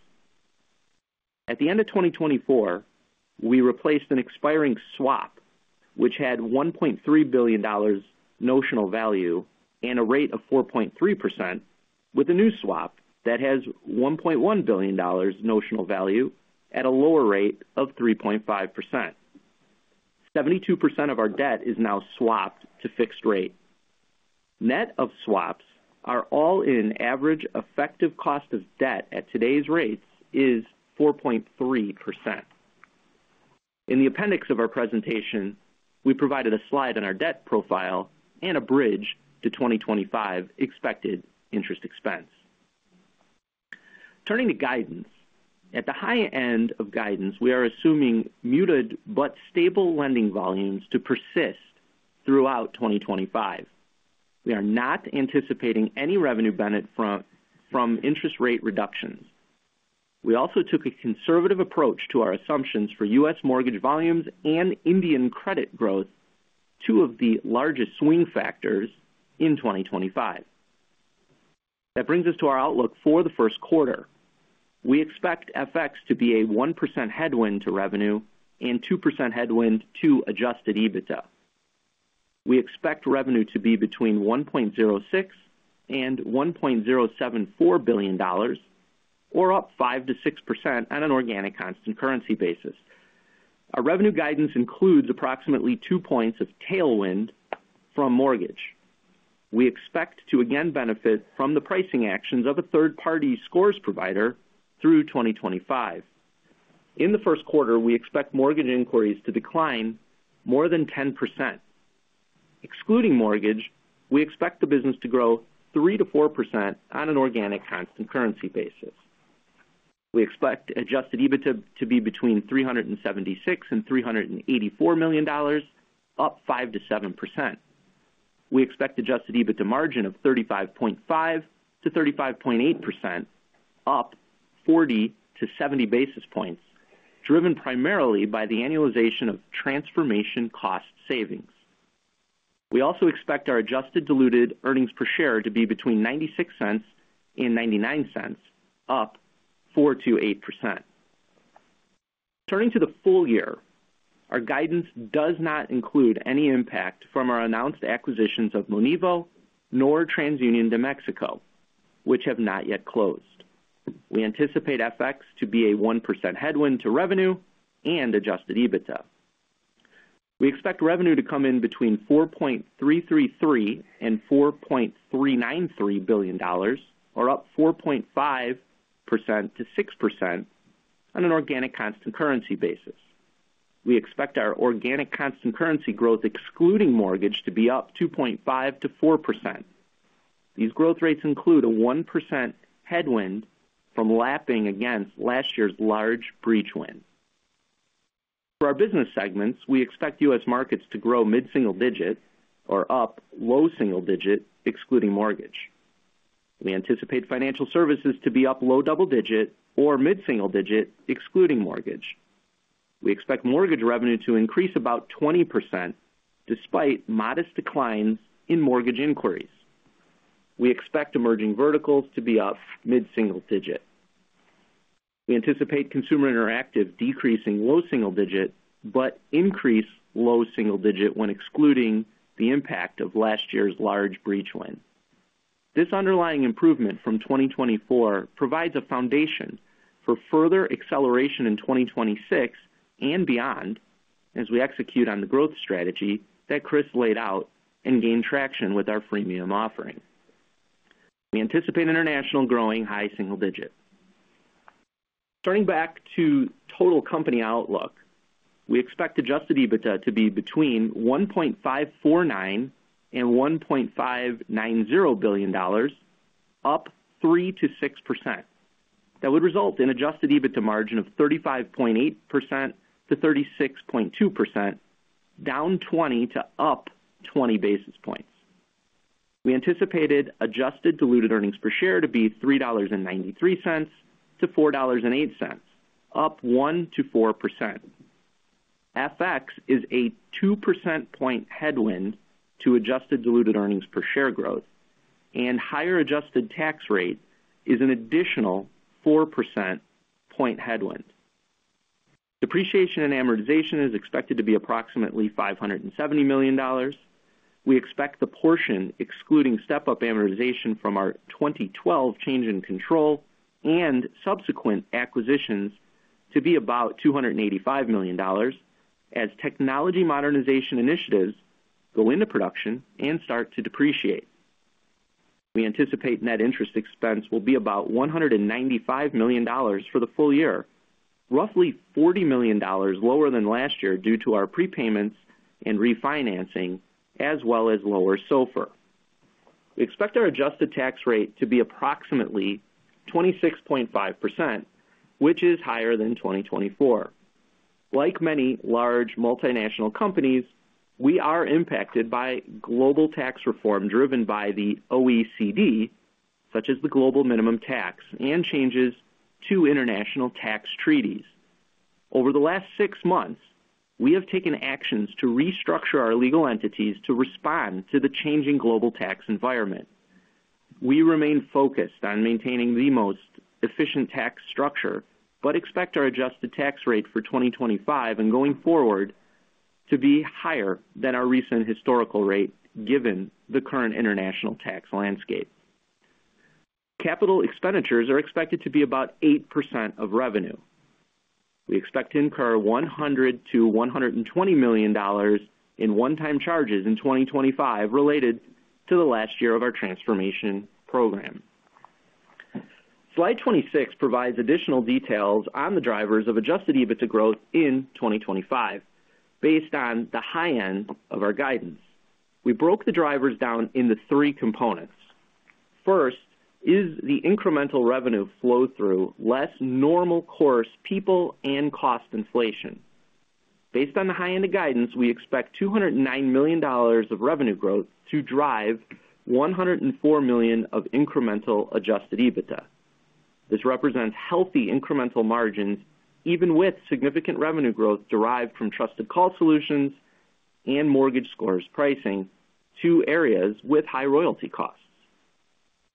At the end of 2024, we replaced an expiring swap, which had $1.3 billion notional value and a rate of 4.3%, with a new swap that has $1.1 billion notional value at a lower rate of 3.5%. 72% of our debt is now swapped to fixed rate. Net of swaps, our all-in average effective cost of debt at today's rates is 4.3%. In the appendix of our presentation, we provided a slide on our debt profile and a bridge to 2025 expected interest expense. Turning to guidance, at the high end of guidance, we are assuming muted but stable lending volumes to persist throughout 2025. We are not anticipating any revenue benefit from interest rate reductions. We also took a conservative approach to our assumptions for U.S. mortgage volumes and Indian credit growth, two of the largest swing factors in 2025. That brings us to our outlook for the first quarter. We expect FX to be a 1% headwind to revenue and 2% headwind to Adjusted EBITDA. We expect revenue to be between $1.06 billion-$1.074 billion, or up 5%-6% on an Organic Constant Currency basis. Our revenue guidance includes approximately two points of tailwind from mortgage. We expect to again benefit from the pricing actions of a third-party scores provider through 2025. In the first quarter, we expect mortgage inquiries to decline more than 10%. Excluding mortgage, we expect the business to grow 3%-4% on an organic constant currency basis. We expect Adjusted EBITDA to be between $376 million-$384 million, up 5%-7%. We expect Adjusted EBITDA margin of 35.5%-35.8%, up 40 to 70 basis points, driven primarily by the annualization of transformation cost savings. We also expect our adjusted diluted earnings per share to be between $0.96-$0.99, up 4%-8%. Turning to the full year, our guidance does not include any impact from our announced acquisitions of Monevo or TransUnion de Mexico, which have not yet closed. We anticipate FX to be a 1% headwind to revenue and Adjusted EBITDA. We expect revenue to come in between $4.333 billion-$4.393 billion, or up 4.5%-6% on an organic constant currency basis. We expect our organic constant currency growth, excluding mortgage, to be up 2.5%-4%. These growth rates include a 1% headwind from lapping against last year's large breach win. For our business segments, we expect U.S. markets to grow mid-single digit, or up low single digit, excluding mortgage. We anticipate financial services to be up low double digit or mid-single digit, excluding mortgage. We expect mortgage revenue to increase about 20% despite modest declines in mortgage inquiries. We expect Emerging Verticals to be up mid-single digit. We anticipate Consumer Interactive decreasing low single digit, but increase low single digit when excluding the impact of last year's large breach win. This underlying improvement from 2024 provides a foundation for further acceleration in 2026 and beyond as we execute on the growth strategy that Chris laid out and gain traction with our freemium offering. We anticipate International growing high single digit. Turning back to total company outlook, we expect adjusted EBITDA to be between $1.549 billion and $1.590 billion, up 3%-6%. That would result in adjusted EBITDA margin of 35.8%-36.2%, down 20 to up 20 basis points. We anticipated adjusted diluted earnings per share to be $3.93-$4.08, up 1%-4%. FX is a 2 percent point headwind to adjusted diluted earnings per share growth, and higher adjusted tax rate is an additional 4 percent point headwind. Depreciation and amortization is expected to be approximately $570 million. We expect the portion, excluding step-up amortization from our 2012 change in control and subsequent acquisitions, to be about $285 million as technology modernization initiatives go into production and start to depreciate. We anticipate net interest expense will be about $195 million for the full year, roughly $40 million lower than last year due to our prepayments and refinancing, as well as lower SOFR. We expect our adjusted tax rate to be approximately 26.5%, which is higher than 2024. Like many large multinational companies, we are impacted by global tax reform driven by the OECD, such as the global minimum tax and changes to International tax treaties. Over the last six months, we have taken actions to restructure our legal entities to respond to the changing global tax environment. We remain focused on maintaining the most efficient tax structure, but expect our adjusted tax rate for 2025 and going forward to be higher than our recent historical rate, given the current International tax landscape. Capital expenditures are expected to be about 8% of revenue. We expect to incur $100 million-$120 million in one-time charges in 2025 related to the last year of our transformation program. Slide 26 provides additional details on the drivers of Adjusted EBITDA growth in 2025, based on the high end of our guidance. We broke the drivers down into three components. First, is the incremental revenue flow-through less normal course people and cost inflation? Based on the high end of guidance, we expect $209 million of revenue growth to drive $104 million of incremental Adjusted EBITDA. This represents healthy incremental margins, even with significant revenue growth derived from Trusted Call Solutions and mortgage scores pricing, two areas with high royalty costs.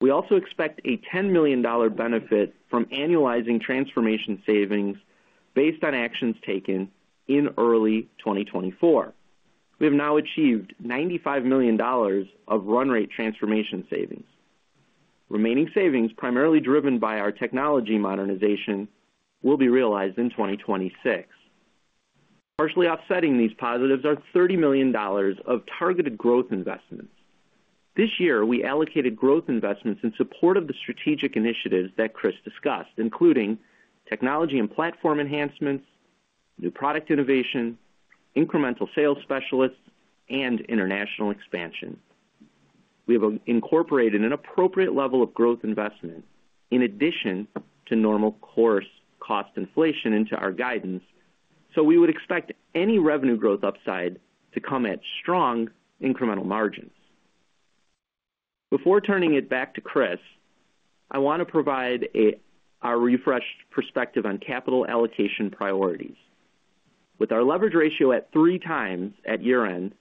We also expect a $10 million benefit from annualizing transformation savings based on actions taken in early 2024. We have now achieved $95 million of run rate transformation savings. Remaining savings, primarily driven by our technology modernization, will be realized in 2026. Partially offsetting these positives are $30 million of targeted growth investments. This year, we allocated growth investments in support of the strategic initiatives that Chris discussed, including technology and platform enhancements, new product innovation, incremental sales specialists, and International expansion. We have incorporated an appropriate level of growth investment in addition to normal course cost inflation into our guidance, so we would expect any revenue growth upside to come at strong incremental margins. Before turning it back to Chris, I want to provide our refreshed perspective on capital allocation priorities. With our leverage ratio at three times at year-end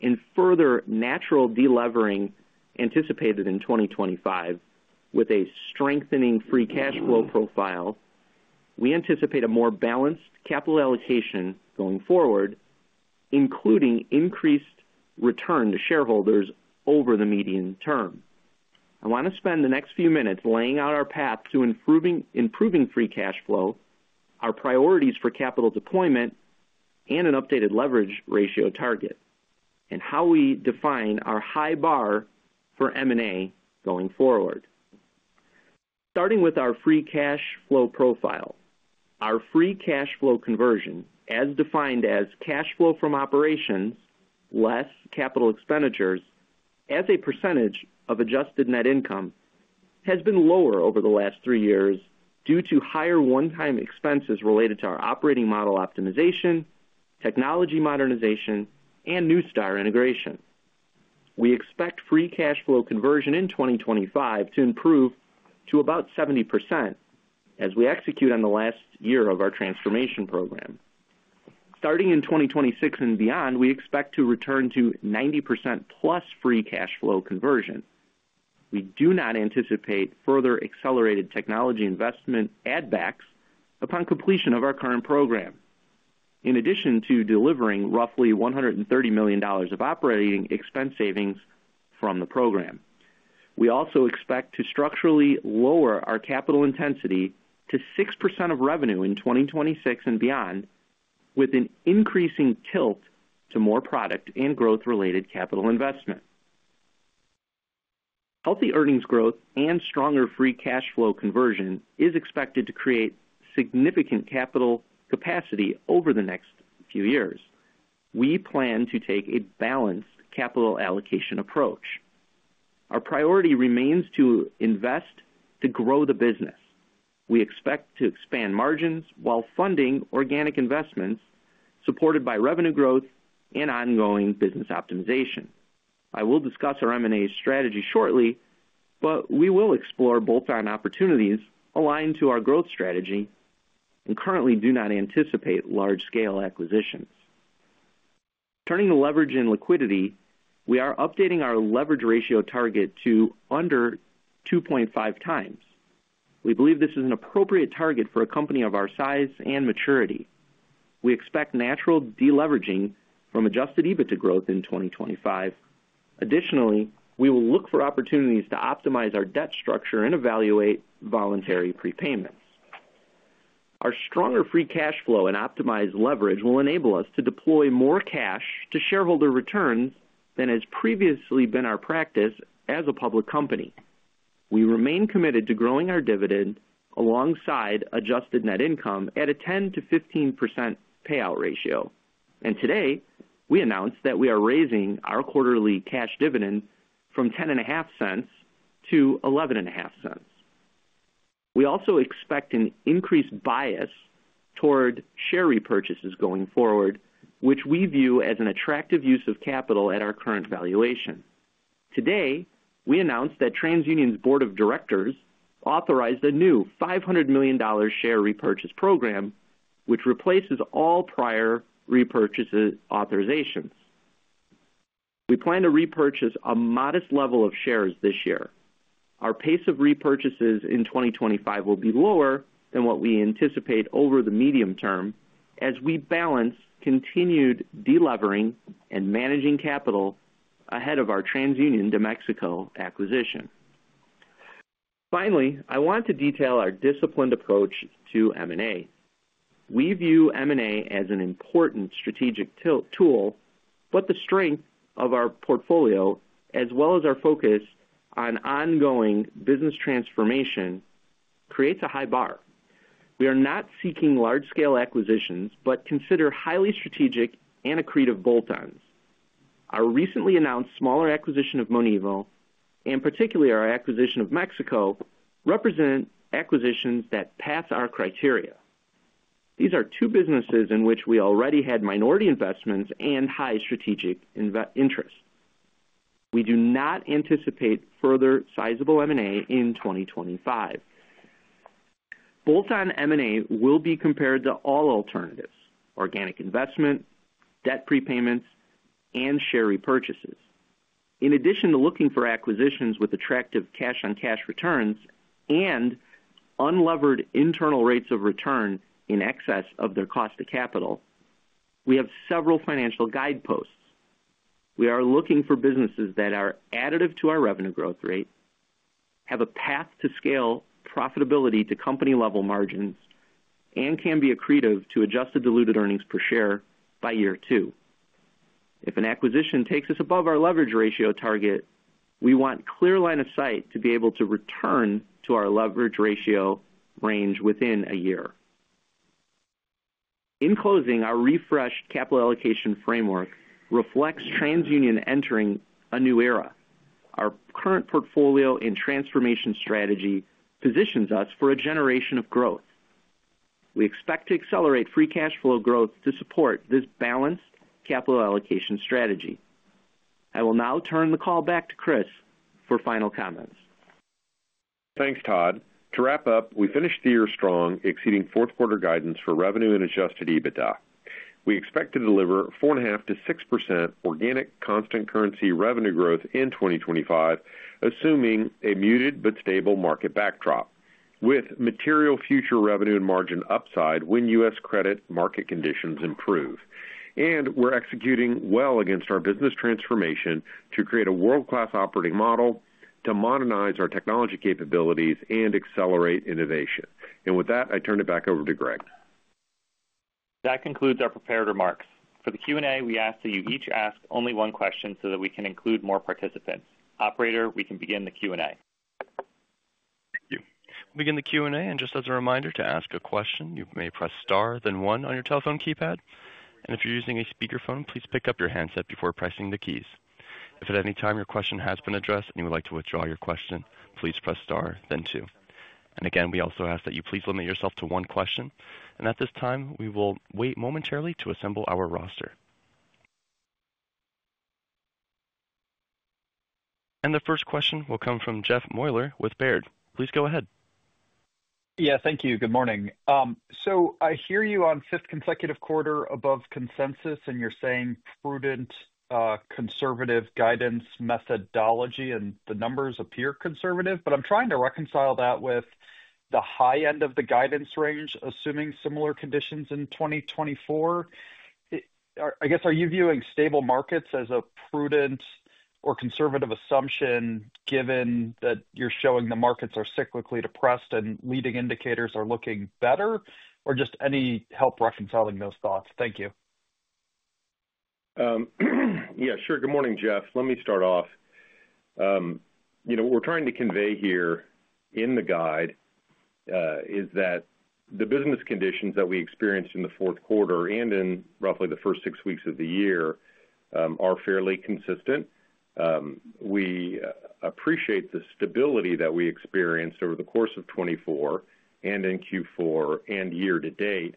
and further natural delevering anticipated in 2025 with a strengthening free cash flow profile, we anticipate a more balanced capital allocation going forward, including increased return to shareholders over the medium term. I want to spend the next few minutes laying out our path to improving free cash flow, our priorities for capital deployment, and an updated leverage ratio target, and how we define our high bar for M&A going forward. Starting with our free cash flow profile, our free cash flow conversion, as defined as cash flow from operations less capital expenditures as a percentage of adjusted net income, has been lower over the last three years due to higher one-time expenses related to our operating model optimization, technology modernization, and Neustar integration. We expect free cash flow conversion in 2025 to improve to about 70% as we execute on the last year of our transformation program. Starting in 2026 and beyond, we expect to return to 90% plus free cash flow conversion. We do not anticipate further accelerated technology investment add-backs upon completion of our current program, in addition to delivering roughly $130 million of operating expense savings from the program. We also expect to structurally lower our capital intensity to 6% of revenue in 2026 and beyond, with an increasing tilt to more product and growth-related capital investment. Healthy earnings growth and stronger free cash flow conversion is expected to create significant capital capacity over the next few years. We plan to take a balanced capital allocation approach. Our priority remains to invest to grow the business. We expect to expand margins while funding organic investments supported by revenue growth and ongoing business optimization. I will discuss our M&A strategy shortly, but we will explore bolt-on opportunities aligned to our growth strategy and currently do not anticipate large-scale acquisitions. Turning to leverage and liquidity, we are updating our leverage ratio target to under 2.5 times. We believe this is an appropriate target for a company of our size and maturity. We expect natural deleveraging from Adjusted EBITDA growth in 2025. Additionally, we will look for opportunities to optimize our debt structure and evaluate voluntary prepayments. Our stronger free cash flow and optimized leverage will enable us to deploy more cash to shareholder returns than has previously been our practice as a public company. We remain committed to growing our dividend alongside adjusted net income at a 10%-15% payout ratio, and today, we announced that we are raising our quarterly cash dividend from $0.105-$0.115. We also expect an increased bias toward share repurchases going forward, which we view as an attractive use of capital at our current valuation. Today, we announced that TransUnion's Board of Directors authorized a new $500 million share repurchase program, which replaces all prior repurchase authorizations. We plan to repurchase a modest level of shares this year. Our pace of repurchases in 2025 will be lower than what we anticipate over the medium term as we balance continued delevering and managing capital ahead of our TransUnion de Mexico acquisition. Finally, I want to detail our disciplined approach to M&A. We view M&A as an important strategic tool, but the strength of our portfolio, as well as our focus on ongoing business transformation, creates a high bar. We are not seeking large-scale acquisitions, but consider highly strategic and accretive bolt-ons. Our recently announced smaller acquisition of Monevo, and particularly our acquisition of Mexico, represent acquisitions that pass our criteria. These are two businesses in which we already had minority investments and high strategic interest. We do not anticipate further sizable M&A in 2025. Bolt-on M&A will be compared to all alternatives: organic investment, debt prepayments, and share repurchases. In addition to looking for acquisitions with attractive cash-on-cash returns and unlevered internal rates of return in excess of their cost of capital, we have several financial guideposts. We are looking for businesses that are additive to our revenue growth rate, have a path to scale profitability to company-level margins, and can be accretive to adjusted diluted earnings per share by year two. If an acquisition takes us above our leverage ratio target, we want a clear line of sight to be able to return to our leverage ratio range within a year. In closing, our refreshed capital allocation framework reflects TransUnion entering a new era. Our current portfolio and transformation strategy positions us for a generation of growth. We expect to accelerate free cash flow growth to support this balanced capital allocation strategy. I will now turn the call back to Chris for final comments. Thanks, Todd. To wrap up, we finished the year strong, exceeding fourth-quarter guidance for revenue and adjusted EBITDA. We expect to deliver 4.5%-6% organic constant currency revenue growth in 2025, assuming a muted but stable market backdrop, with material future revenue and margin upside when U.S. credit market conditions improve, and we're executing well against our business transformation to create a world-class operating model, to modernize our technology capabilities, and accelerate innovation, and with that, I turn it back over to Greg. That concludes our prepared remarks. For the Q&A, we ask that you each ask only one question so that we can include more participants. Operator, we can begin the Q&A. Thank you. We'll begin the Q&A. Just as a reminder to ask a question, you may press Star, then 1 on your telephone keypad. If you're using a speakerphone, please pick up your handset before pressing the keys. If at any time your question has been addressed and you would like to withdraw your question, please press Star, then 2. Again, we also ask that you please limit yourself to one question. At this time, we will wait momentarily to assemble our roster. The first question will come from Jeff Meuler with Baird. Please go ahead. Yeah, thank you. Good morning. So I hear you on fifth consecutive quarter above consensus, and you're saying prudent conservative guidance methodology, and the numbers appear conservative. But I'm trying to reconcile that with the high end of the guidance range, assuming similar conditions in 2024. I guess, are you viewing stable markets as a prudent or conservative assumption given that you're showing the markets are cyclically depressed and leading indicators are looking better? Or just any help reconciling those thoughts? Thank you. Yeah, sure. Good morning, Jeff. Let me start off. What we're trying to convey here in the guide is that the business conditions that we experienced in the fourth quarter and in roughly the first six weeks of the year are fairly consistent. We appreciate the stability that we experienced over the course of 2024 and in Q4 and year to date.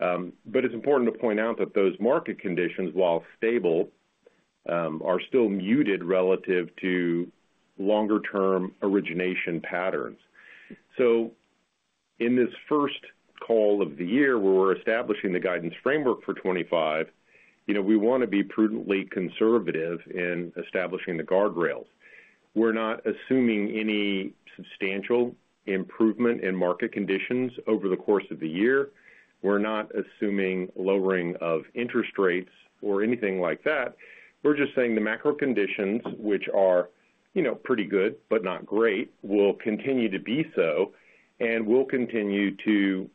But it's important to point out that those market conditions, while stable, are still muted relative to longer-term origination patterns. So in this first call of the year where we're establishing the guidance framework for 2025, we want to be prudently conservative in establishing the guardrails. We're not assuming any substantial improvement in market conditions over the course of the year. We're not assuming lowering of interest rates or anything like that. We're just saying the macro conditions, which are pretty good but not great, will continue to be so. And we'll continue to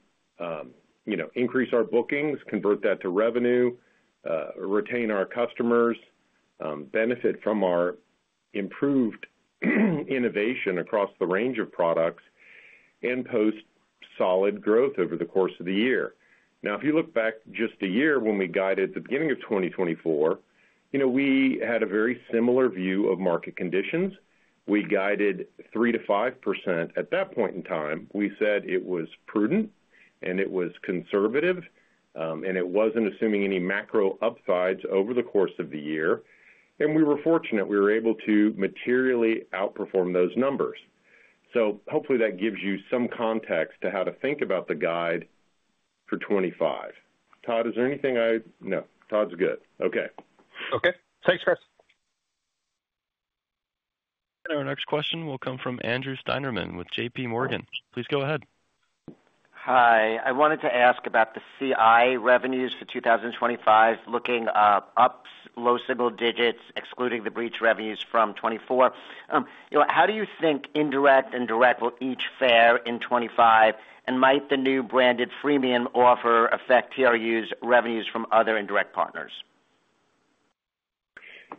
increase our bookings, convert that to revenue, retain our customers, benefit from our improved innovation across the range of products, and post solid growth over the course of the year. Now, if you look back just a year when we guided the beginning of 2024, we had a very similar view of market conditions. We guided 3%-5% at that point in time. We said it was prudent, and it was conservative, and it wasn't assuming any macro upsides over the course of the year. And we were fortunate we were able to materially outperform those numbers. Hopefully that gives you some context to how to think about the guide for 2025. Todd, is there anything I—no, Todd's good. Okay. Okay. Thanks, Chris. Our next question will come from Andrew Steinerman with JPMorgan. Please go ahead. Hi. I wanted to ask about the CI revenues for 2025, looking up, low single digits, excluding the breach revenues from 2024. How do you think indirect and direct will each fare in 2025? And might the new branded freemium offer affect TRU's revenues from other indirect partners?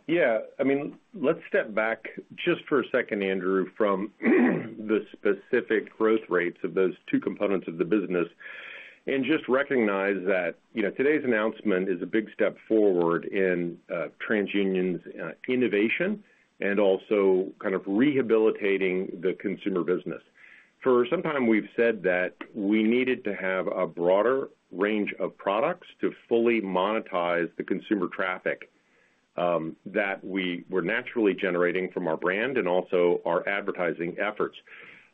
Yeah. I mean, let's step back just for a second, Andrew, from the specific growth rates of those two components of the business and just recognize that today's announcement is a big step forward in TransUnion's innovation and also kind of rehabilitating the consumer business. For some time, we've said that we needed to have a broader range of products to fully monetize the consumer traffic that we were naturally generating from our brand and also our advertising efforts.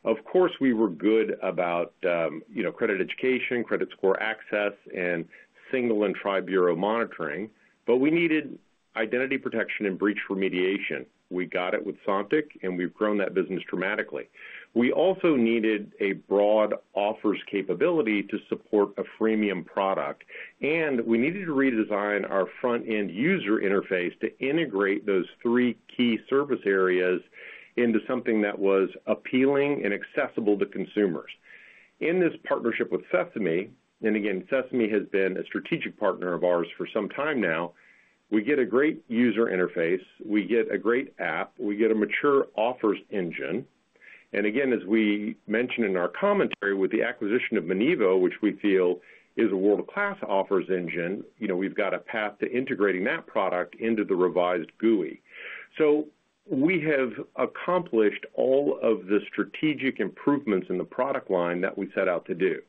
Of course, we were good about credit education, credit score access, and single and tri-bureau monitoring, but we needed identity protection and breach remediation. We got it with Sontiq, and we've grown that business dramatically. We also needed a broad offers capability to support a freemium product, and we needed to redesign our front-end user interface to integrate those three key service areas into something that was appealing and accessible to consumers. In this partnership with Sesame, and again, Sesame has been a strategic partner of ours for some time now, we get a great user interface. We get a great app. We get a mature offers engine. And again, as we mentioned in our commentary with the acquisition of Monevo, which we feel is a world-class offers engine, we've got a path to integrating that product into the revised GUI. So we have accomplished all of the strategic improvements in the product line that we set out to do.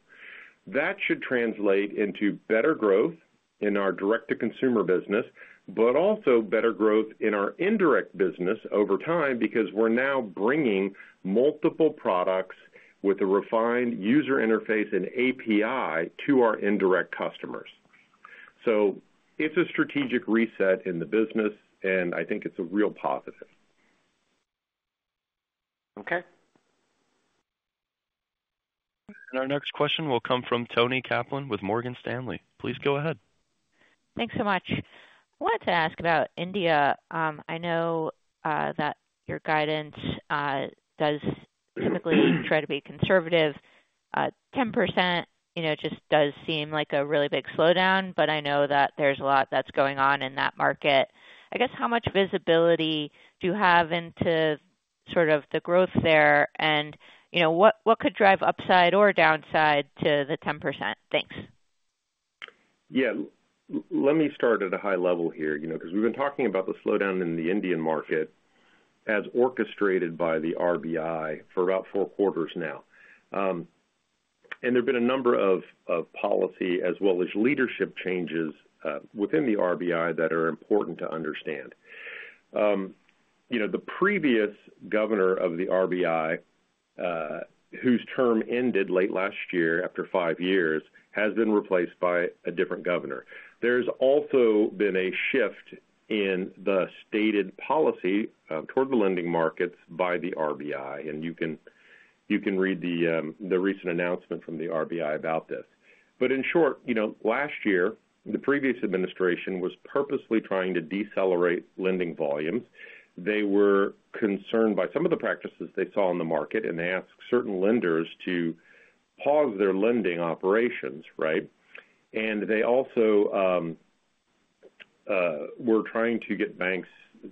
That should translate into better growth in our direct-to-consumer business, but also better growth in our indirect business over time because we're now bringing multiple products with a refined user interface and API to our indirect customers. So it's a strategic reset in the business, and I think it's a real positive. Okay. Our next question will come from Toni Kaplan with Morgan Stanley. Please go ahead. Thanks so much. I wanted to ask about India. I know that your guidance does typically try to be conservative. 10% just does seem like a really big slowdown, but I know that there's a lot that's going on in that market. I guess, how much visibility do you have into sort of the growth there? And what could drive upside or downside to the 10%? Thanks. Yeah. Let me start at a high level here because we've been talking about the slowdown in the Indian market as orchestrated by the RBI for about four quarters now. And there have been a number of policy as well as leadership changes within the RBI that are important to understand. The previous governor of the RBI, whose term ended late last year after five years, has been replaced by a different governor. There's also been a shift in the stated policy toward the lending markets by the RBI. And you can read the recent announcement from the RBI about this. In short, last year, the previous administration was purposely trying to decelerate lending volumes. They were concerned by some of the practices they saw in the market, and they asked certain lenders to pause their lending operations, right? They also were trying to get banks'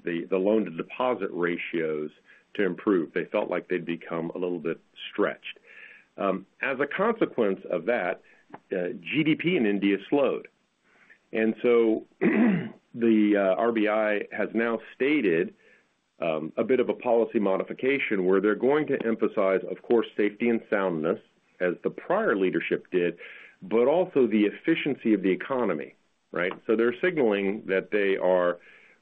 loan-to-deposit ratios to improve. They felt like they'd become a little bit stretched. As a consequence of that, GDP in India slowed. The RBI has now stated a bit of a policy modification where they're going to emphasize, of course, safety and soundness, as the prior leadership did, but also the efficiency of the economy, right? They're signaling that they are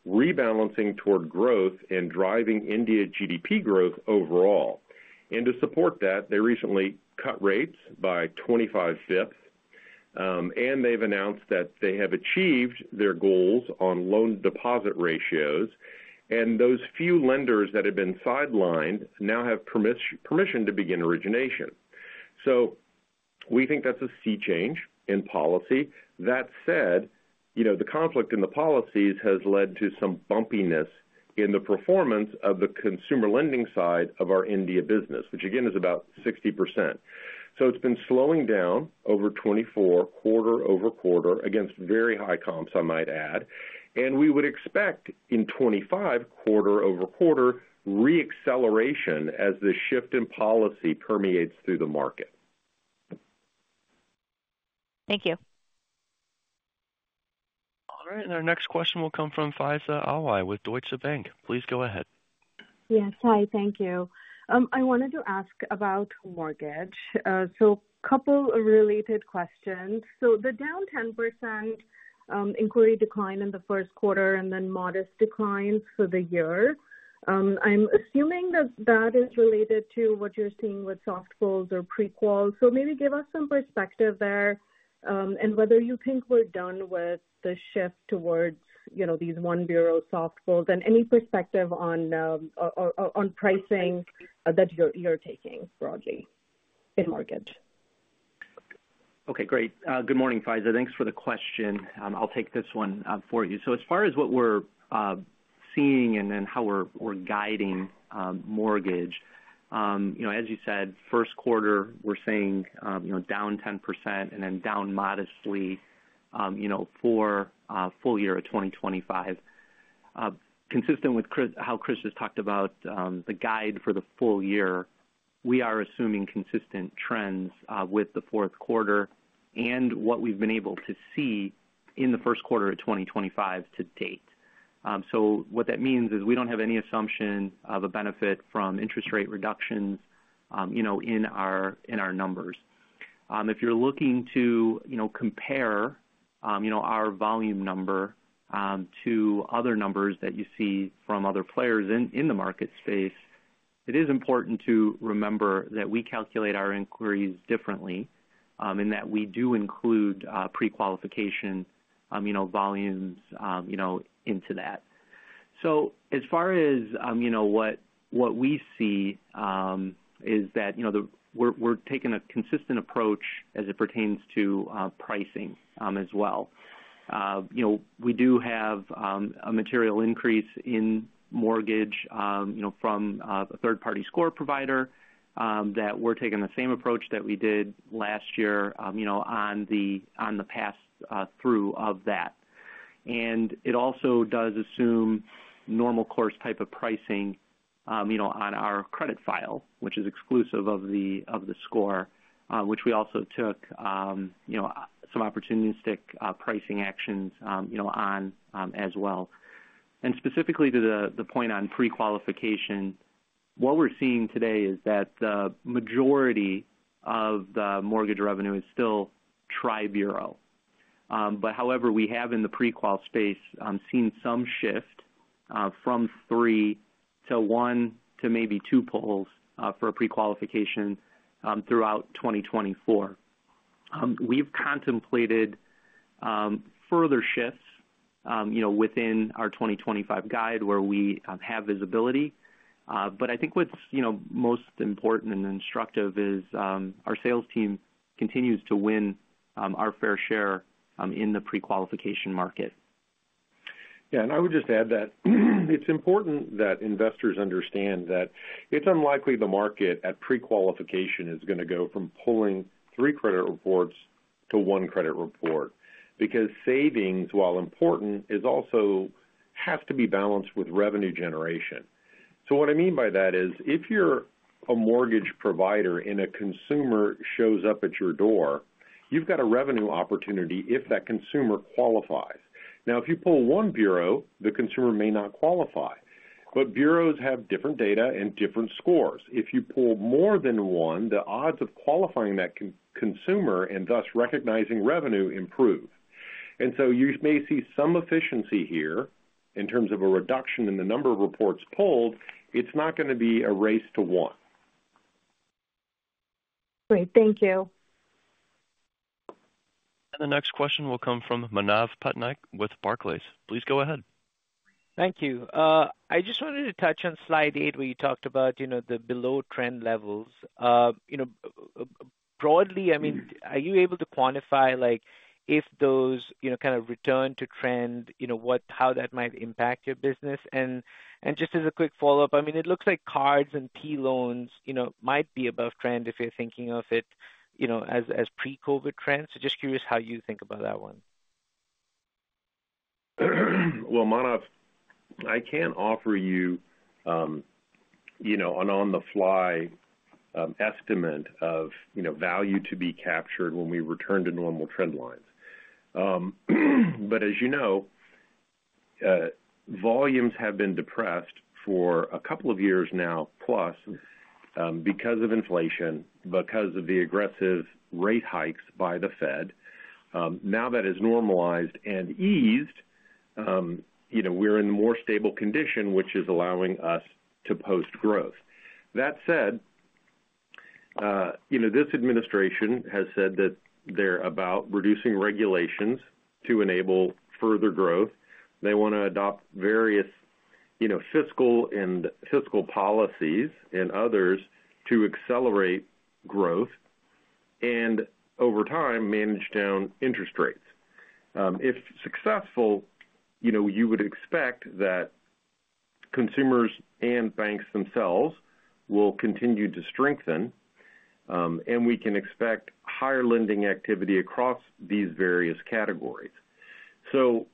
rebalancing toward growth and driving India's GDP growth overall. To support that, they recently cut rates by 25 basis points. They've announced that they have achieved their goals on loan-to-deposit ratios. Those few lenders that had been sidelined now have permission to begin origination. We think that's a sea change in policy. That said, the conflict in the policies has led to some bumpiness in the performance of the consumer lending side of our India business, which again is about 60%. It's been slowing down over 2024, quarter-over-quarter, against very high comps, I might add. We would expect in 2025, quarter-over-quarter, re-acceleration as the shift in policy permeates through the market. Thank you. All right. Our next question will come from Faiza Alwy with Deutsche Bank. Please go ahead. Yes, hi. Thank you. I wanted to ask about mortgage. A couple of related questions. The down 10% inquiry decline in the first quarter and then modest decline for the year. I'm assuming that that is related to what you're seeing with soft pulls or pre-quals. So maybe give us some perspective there and whether you think we're done with the shift towards these one bureau soft pulls and any perspective on pricing that you're taking broadly in mortgage. Okay. Great. Good morning, Faiza. Thanks for the question. I'll take this one for you. So as far as what we're seeing and then how we're guiding mortgage, as you said, first quarter, we're saying down 10% and then down modestly for full year of 2025. Consistent with how Chris has talked about the guide for the full year, we are assuming consistent trends with the fourth quarter and what we've been able to see in the first quarter of 2025 to date. So what that means is we don't have any assumption of a benefit from interest rate reductions in our numbers. If you're looking to compare our volume number to other numbers that you see from other players in the market space, it is important to remember that we calculate our inquiries differently and that we do include pre-qualification volumes into that. So as far as what we see is that we're taking a consistent approach as it pertains to pricing as well. We do have a material increase in mortgage from a third-party score provider that we're taking the same approach that we did last year on the pass-through of that. And it also does assume normal course type of pricing on our credit file, which is exclusive of the score, which we also took some opportunistic pricing actions on as well. And specifically to the point on pre-qualification, what we're seeing today is that the majority of the mortgage revenue is still tri-bureau. But however, we have in the pre-qual space seen some shift from three to one to maybe two pulls for pre-qualification throughout 2024. We've contemplated further shifts within our 2025 guide where we have visibility. But I think what's most important and instructive is our sales team continues to win our fair share in the pre-qualification market. Yeah. And I would just add that it's important that investors understand that it's unlikely the market at pre-qualification is going to go from pulling three credit reports to one credit report because savings, while important, also has to be balanced with revenue generation. So what I mean by that is if you're a mortgage provider and a consumer shows up at your door, you've got a revenue opportunity if that consumer qualifies. Now, if you pull one bureau, the consumer may not qualify. But bureaus have different data and different scores. If you pull more than one, the odds of qualifying that consumer and thus recognizing revenue improve. And so you may see some efficiency here in terms of a reduction in the number of reports pulled. It's not going to be a race to one. Great. Thank you. And the next question will come from Manav Patnaik with Barclays. Please go ahead. Thank you. I just wanted to touch on slide eight where you talked about the below trend levels. Broadly, I mean, are you able to quantify if those kind of return to trend, how that might impact your business? Just as a quick follow-up, I mean, it looks like cards and P-loans might be above trend if you're thinking of it as pre-COVID trends. So just curious how you think about that one. Manav, I can't offer you an on-the-fly estimate of value to be captured when we return to normal trend lines. But as you know, volumes have been depressed for a couple of years now plus because of inflation, because of the aggressive rate hikes by the Fed. Now that has normalized and eased, we're in more stable condition, which is allowing us to post growth. That said, this administration has said that they're about reducing regulations to enable further growth. They want to adopt various fiscal and fiscal policies and others to accelerate growth and over time manage down interest rates. If successful, you would expect that consumers and banks themselves will continue to strengthen, and we can expect higher lending activity across these various categories. So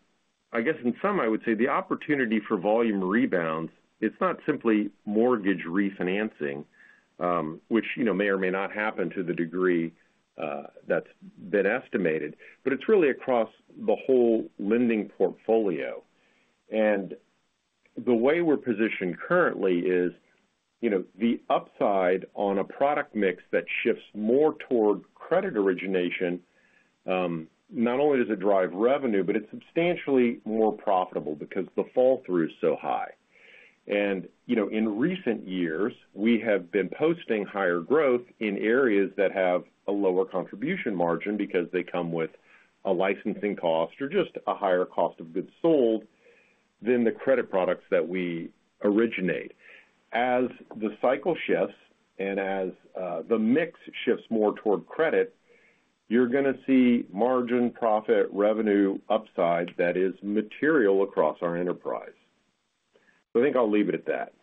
I guess in sum, I would say the opportunity for volume rebounds. It's not simply mortgage refinancing, which may or may not happen to the degree that's been estimated, but it's really across the whole lending portfolio. The way we're positioned currently is the upside on a product mix that shifts more toward credit origination. Not only does it drive revenue, but it's substantially more profitable because the fall-through is so high. In recent years, we have been posting higher growth in areas that have a lower contribution margin because they come with a licensing cost or just a higher cost of goods sold than the credit products that we originate. As the cycle shifts and as the mix shifts more toward credit, you're going to see margin, profit, revenue upside that is material across our enterprise. So I think I'll leave it at that.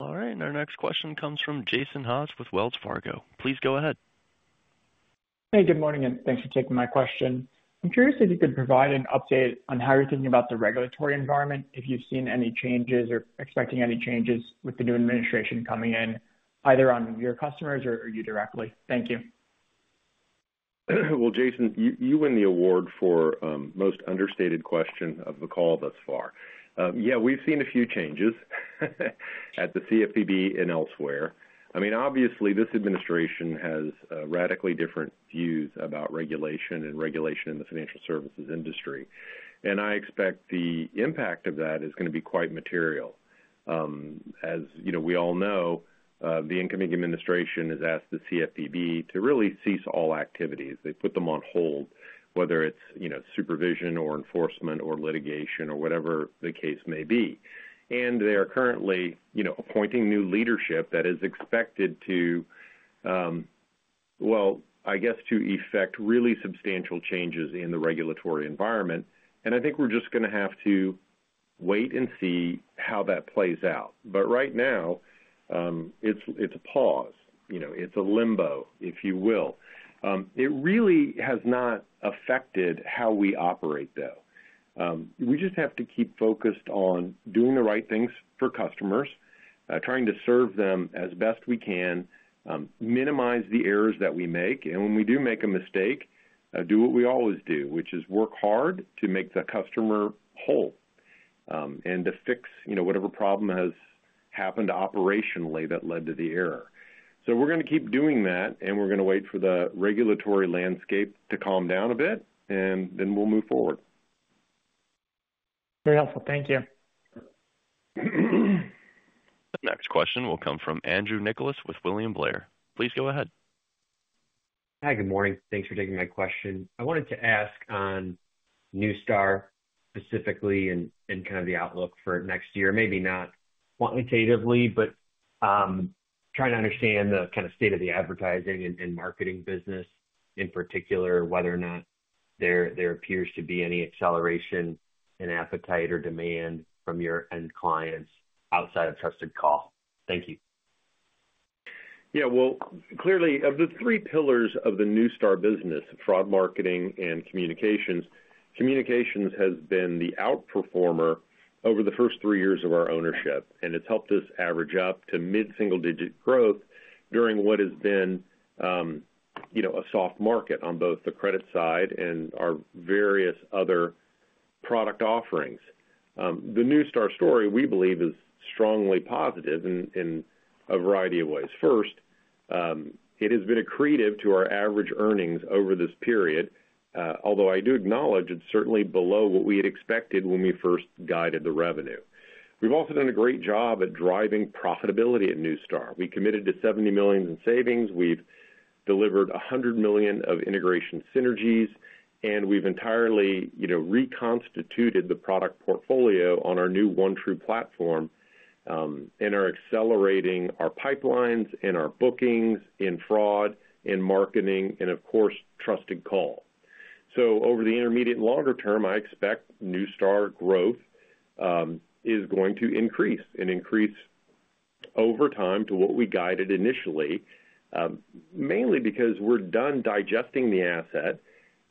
All right. And our next question comes from Jason Haas with Wells Fargo. Please go ahead. Hey, good morning, and thanks for taking my question. I'm curious if you could provide an update on how you're thinking about the regulatory environment, if you've seen any changes or expecting any changes with the new administration coming in, either on your customers or you directly. Thank you. Well, Jason, you win the award for most understated question of the call thus far. Yeah, we've seen a few changes at the CFPB and elsewhere. I mean, obviously, this administration has radically different views about regulation and regulation in the financial services industry. And I expect the impact of that is going to be quite material. As we all know, the incoming administration has asked the CFPB to really cease all activities. They put them on hold, whether it's supervision or enforcement or litigation or whatever the case may be. And they are currently appointing new leadership that is expected to, well, I guess, to effect really substantial changes in the regulatory environment. And I think we're just going to have to wait and see how that plays out. But right now, it's a pause. It's a limbo, if you will. It really has not affected how we operate, though. We just have to keep focused on doing the right things for customers, trying to serve them as best we can, minimize the errors that we make. And when we do make a mistake, do what we always do, which is work hard to make the customer whole and to fix whatever problem has happened operationally that led to the error. So we're going to keep doing that, and we're going to wait for the regulatory landscape to calm down a bit, and then we'll move forward. Very helpful. Thank you. The next question will come from Andrew Nicholas with William Blair. Please go ahead. Hi, good morning. Thanks for taking my question. I wanted to ask on Neustar specifically and kind of the outlook for next year, maybe not quantitatively, but trying to understand the kind of state of the advertising and marketing business in particular, whether or not there appears to be any acceleration in appetite or demand from your end clients outside of Trusted Call. Thank you. Yeah. Clearly, of the three pillars of the Neustar business, fraud, marketing, and communications, communications has been the outperformer over the first three years of our ownership. It's helped us average up to mid-single-digit growth during what has been a soft market on both the credit side and our various other product offerings. The Neustar story, we believe, is strongly positive in a variety of ways. First, it has been accretive to our average earnings over this period, although I do acknowledge it's certainly below what we had expected when we first guided the revenue. We've also done a great job at driving profitability at Neustar. We committed to $70 million in savings. We've delivered $100 million of integration synergies, and we've entirely reconstituted the product portfolio on our new OneTru platform and are accelerating our pipelines and our bookings in fraud, in marketing, and of course, Trusted Call. So over the intermediate and longer term, I expect Neustar growth is going to increase and increase over time to what we guided initially, mainly because we're done digesting the asset,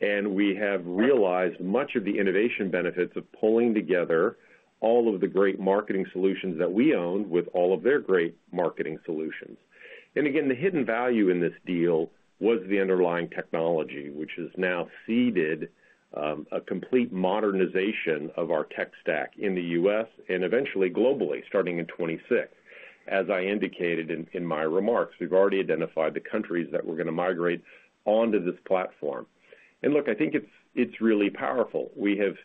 and we have realized much of the innovation benefits of pulling together all of the great marketing solutions that we own with all of their great marketing solutions. And again, the hidden value in this deal was the underlying technology, which has now seeded a complete modernization of our tech stack in the U.S. and eventually globally starting in 2026. As I indicated in my remarks, we've already identified the countries that we're going to migrate onto this platform. Look, I think it's really powerful. We have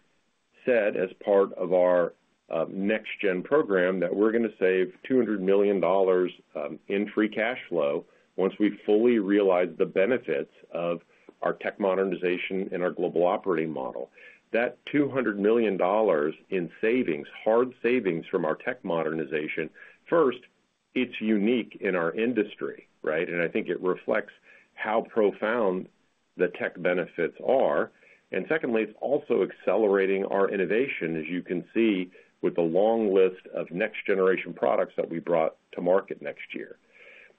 said as part of our next-gen program that we're going to save $200 million in free cash flow once we fully realize the benefits of our tech modernization and our global operating model. That $200 million in savings, hard savings from our tech modernization, first, it's unique in our industry, right? And I think it reflects how profound the tech benefits are. And secondly, it's also accelerating our innovation, as you can see with the long list of next-generation products that we brought to market next year.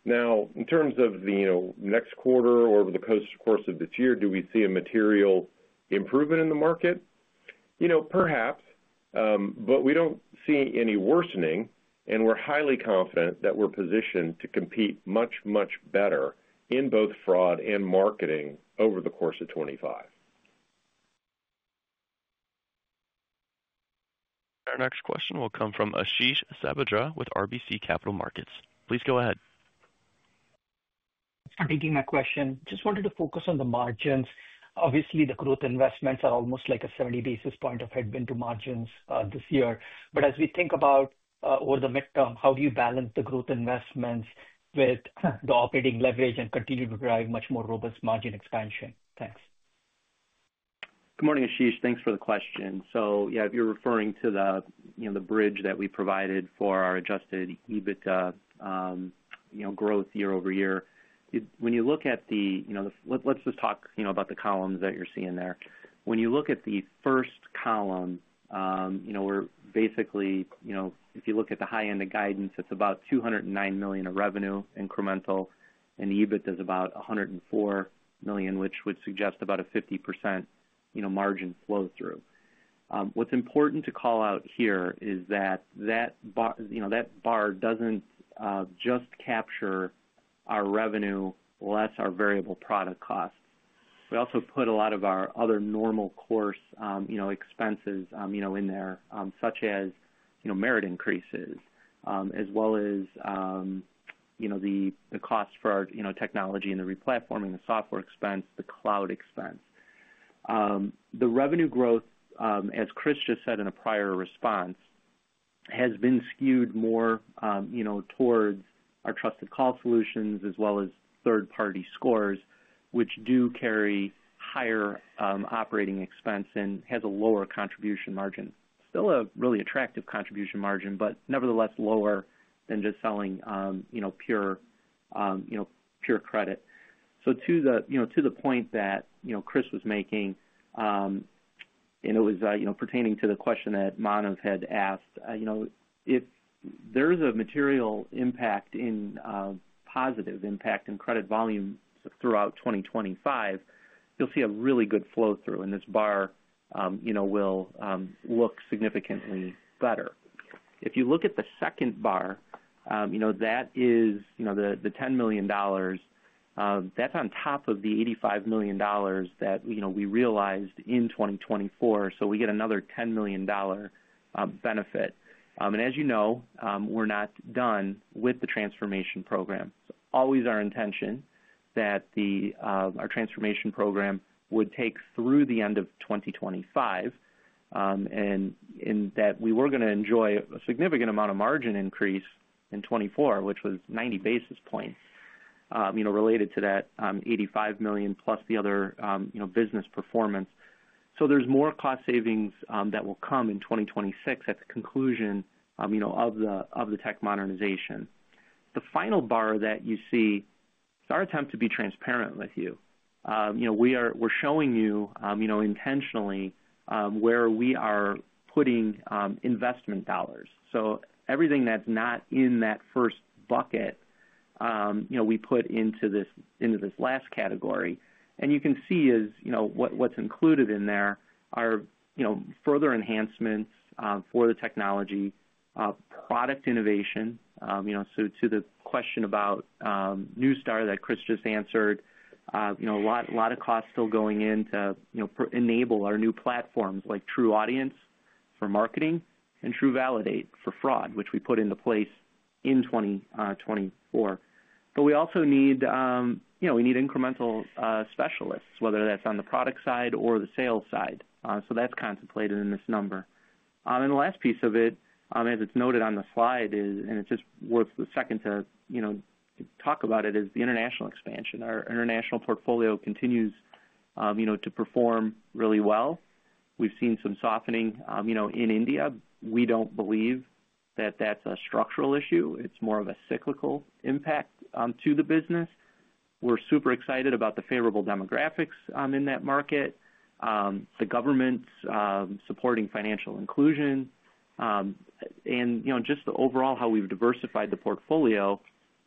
Now, in terms of the next quarter or the course of this year, do we see a material improvement in the market? Perhaps, but we don't see any worsening, and we're highly confident that we're positioned to compete much, much better in both fraud and marketing over the course of 2025. Our next question will come from Ashish Sabadra with RBC Capital Markets. Please go ahead. Thank you for taking that question. Just wanted to focus on the margins. Obviously, the growth investments are almost like a 70 basis points of headwind to margins this year. But as we think about over the midterm, how do you balance the growth investments with the operating leverage and continue to drive much more robust margin expansion? Thanks. Good morning, Ashish. Thanks for the question. So yeah, if you're referring to the bridge that we provided for our adjusted EBITDA growth year-over-year, when you look at the. Let's just talk about the columns that you're seeing there. When you look at the first column, we're basically - if you look at the high-end of guidance, it's about $209 million of revenue incremental, and EBIT is about $104 million, which would suggest about a 50% margin flow-through. What's important to call out here is that that bar doesn't just capture our revenue less our variable product costs. We also put a lot of our other normal course expenses in there, such as merit increases, as well as the cost for our technology and the replatforming, the software expense, the cloud expense. The revenue growth, as Chris just said in a prior response, has been skewed more towards our Trusted Call Solutions as well as third-party scores, which do carry higher operating expense and have a lower contribution margin. Still a really attractive contribution margin, but nevertheless lower than just selling pure credit. So to the point that Chris was making, and it was pertaining to the question that Manav had asked, if there is a material impact in positive impact in credit volume throughout 2025, you'll see a really good flow-through, and this bar will look significantly better. If you look at the second bar, that is the $10 million. That's on top of the $85 million that we realized in 2024. So we get another $10 million benefit. And as you know, we're not done with the transformation program. It's always our intention that our transformation program would take through the end of 2025 and that we were going to enjoy a significant amount of margin increase in 2024, which was 90 basis points related to that $85 million plus the other business performance. So there's more cost savings that will come in 2026 at the conclusion of the tech modernization. The final bar that you see, it's our attempt to be transparent with you. We're showing you intentionally where we are putting investment dollars. So everything that's not in that first bucket, we put into this last category. And you can see what's included in there are further enhancements for the technology, product innovation. So to the question about Neustar that Chris just answered, a lot of costs still going in to enable our new platforms like TruAudience for marketing and TruValidate for fraud, which we put into place in 2024. But we also need incremental specialists, whether that's on the product side or the sales side. So that's contemplated in this number. And the last piece of it, as it's noted on the slide, and it's just worth a second to talk about it, is the International expansion. Our International portfolio continues to perform really well. We've seen some softening in India. We don't believe that that's a structural issue. It's more of a cyclical impact to the business. We're super excited about the favorable demographics in that market, the government's supporting financial inclusion, and just overall how we've diversified the portfolio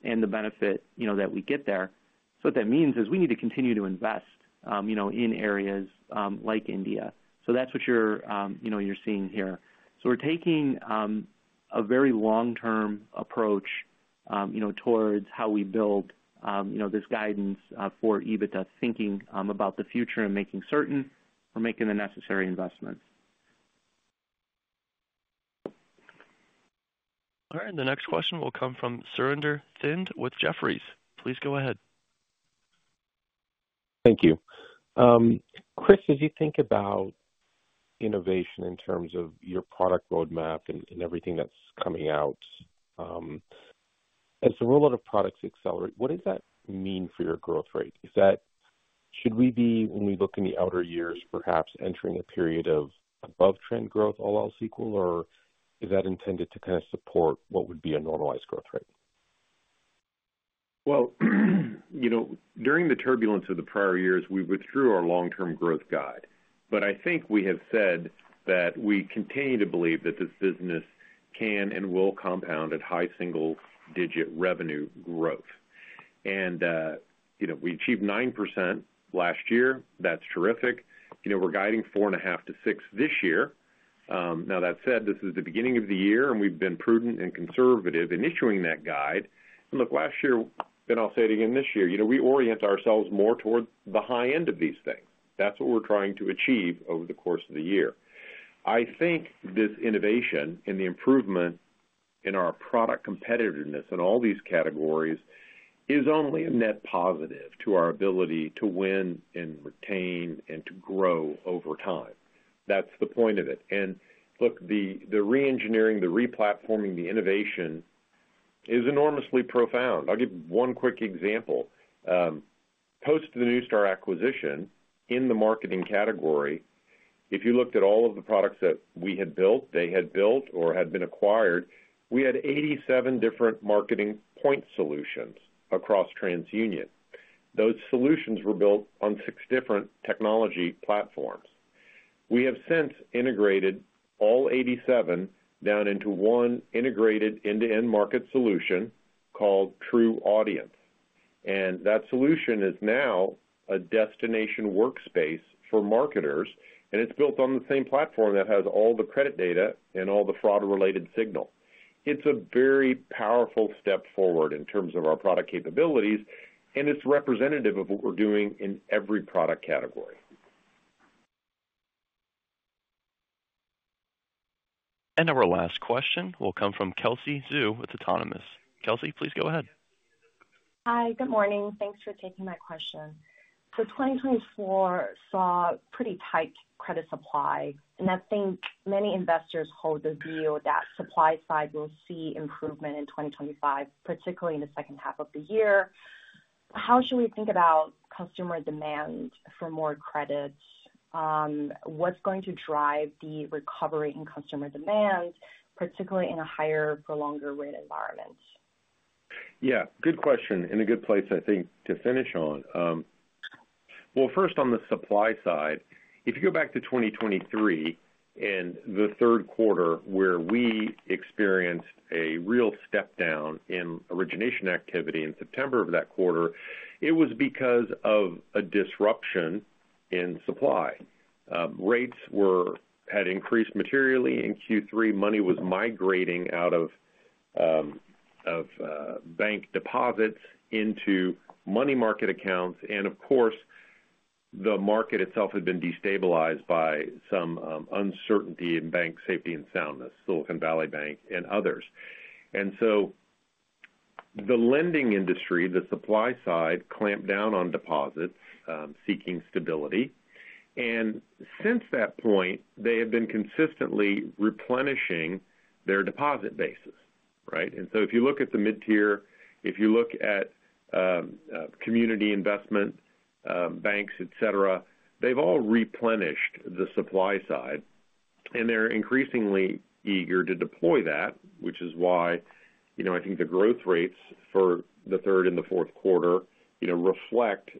and the benefit that we get there. So what that means is we need to continue to invest in areas like India. So that's what you're seeing here. So we're taking a very long-term approach towards how we build this guidance for EBITDA, thinking about the future and making certain we're making the necessary investments. All right. And the next question will come from Surinder Thind with Jefferies. Please go ahead. Thank you. Chris, as you think about innovation in terms of your product roadmap and everything that's coming out, as the rollout of products accelerate, what does that mean for your growth rate? Should we be, when we look in the outer years, perhaps entering a period of above-trend growth, all else equal, or is that intended to kind of support what would be a normalized growth rate? Well, during the turbulence of the prior years, we withdrew our long-term growth guide. But I think we have said that we continue to believe that this business can and will compound at high single-digit revenue growth. And we achieved 9% last year. That's terrific. We're guiding 4.5%-6% this year. Now, that said, this is the beginning of the year, and we've been prudent and conservative in issuing that guide. And look, last year, and I'll say it again this year, we orient ourselves more toward the high end of these things. That's what we're trying to achieve over the course of the year. I think this innovation and the improvement in our product competitiveness in all these categories is only a net positive to our ability to win and retain and to grow over time. That's the point of it, and look, the re-engineering, the replatforming, the innovation is enormously profound. I'll give one quick example. Post the Neustar acquisition in the marketing category, if you looked at all of the products that we had built, they had built, or had been acquired, we had 87 different marketing point solutions across TransUnion. Those solutions were built on six different technology platforms. We have since integrated all 87 down into one integrated end-to-end market solution called TruAudience, and that solution is now a destination workspace for marketers, and it's built on the same platform that has all the credit data and all the fraud-related signal. It's a very powerful step forward in terms of our product capabilities, and it's representative of what we're doing in every product category. And our last question will come from Kelsey Zhu with Autonomous. Kelsey, please go ahead. Hi. Good morning. Thanks for taking my question. So 2024 saw pretty tight credit supply, and I think many investors hold the view that supply side will see improvement in 2025, particularly in the second half of the year. How should we think about customer demand for more credits? What's going to drive the recovery in customer demand, particularly in a higher for longer rate environment? Yeah. Good question and a good place, I think, to finish on. First, on the supply side, if you go back to 2023 and the third quarter where we experienced a real step down in origination activity in September of that quarter, it was because of a disruption in supply. Rates had increased materially in Q3. Money was migrating out of bank deposits into money market accounts. And of course, the market itself had been destabilized by some uncertainty in bank safety and soundness, Silicon Valley Bank and others. And so the lending industry, the supply side, clamped down on deposits seeking stability. And since that point, they have been consistently replenishing their deposit bases, right? And so if you look at the mid-tier, if you look at community investment banks, etc., they've all replenished the supply side, and they're increasingly eager to deploy that, which is why I think the growth rates for the third and the fourth quarter reflect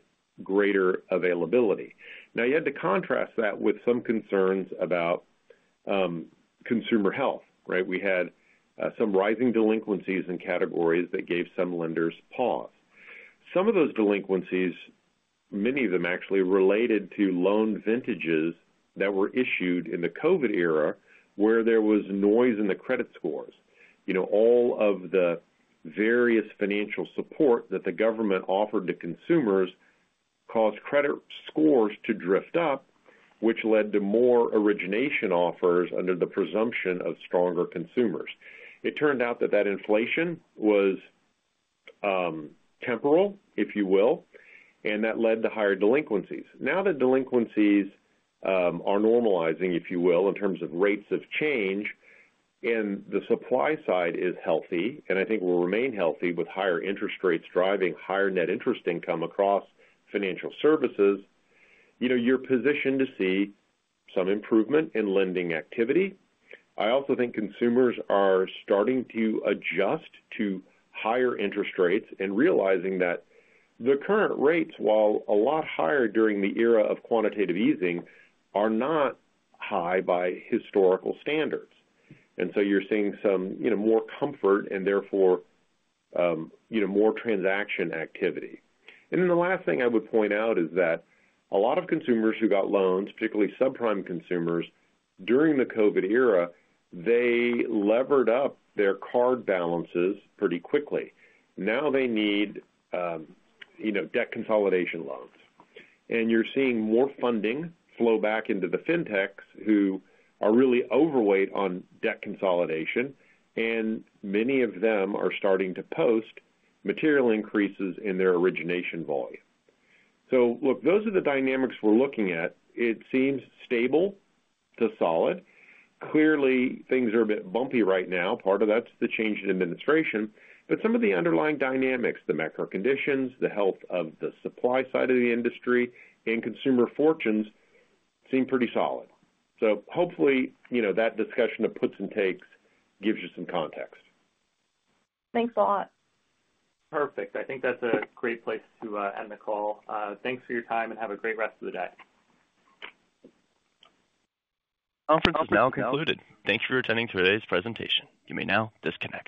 greater availability. Now, you had to contrast that with some concerns about consumer health, right? We had some rising delinquencies in categories that gave some lenders pause. Some of those delinquencies, many of them actually related to loan vintages that were issued in the COVID era where there was noise in the credit scores. All of the various financial support that the government offered to consumers caused credit scores to drift up, which led to more origination offers under the presumption of stronger consumers. It turned out that that inflation was temporal, if you will, and that led to higher delinquencies. Now that delinquencies are normalizing, if you will, in terms of rates of change, and the supply side is healthy, and I think will remain healthy with higher interest rates driving higher net interest income across financial services, you're positioned to see some improvement in lending activity. I also think consumers are starting to adjust to higher interest rates and realizing that the current rates, while a lot higher during the era of quantitative easing, are not high by historical standards. And so you're seeing some more comfort and therefore more transaction activity. And then the last thing I would point out is that a lot of consumers who got loans, particularly subprime consumers, during the COVID era, they levered up their card balances pretty quickly. Now they need debt consolidation loans. You're seeing more funding flow back into the fintechs who are really overweight on debt consolidation, and many of them are starting to post material increases in their origination volume. Look, those are the dynamics we're looking at. It seems stable to solid. Clearly, things are a bit bumpy right now. Part of that's the change in administration, but some of the underlying dynamics, the macro conditions, the health of the supply side of the industry, and consumer fortunes seem pretty solid. Hopefully that discussion of puts and takes gives you some context. Thanks a lot. Perfect. I think that's a great place to end the call. Thanks for your time and have a great rest of the day. Conference is now concluded. Thank you for attending today's presentation. You may now disconnect.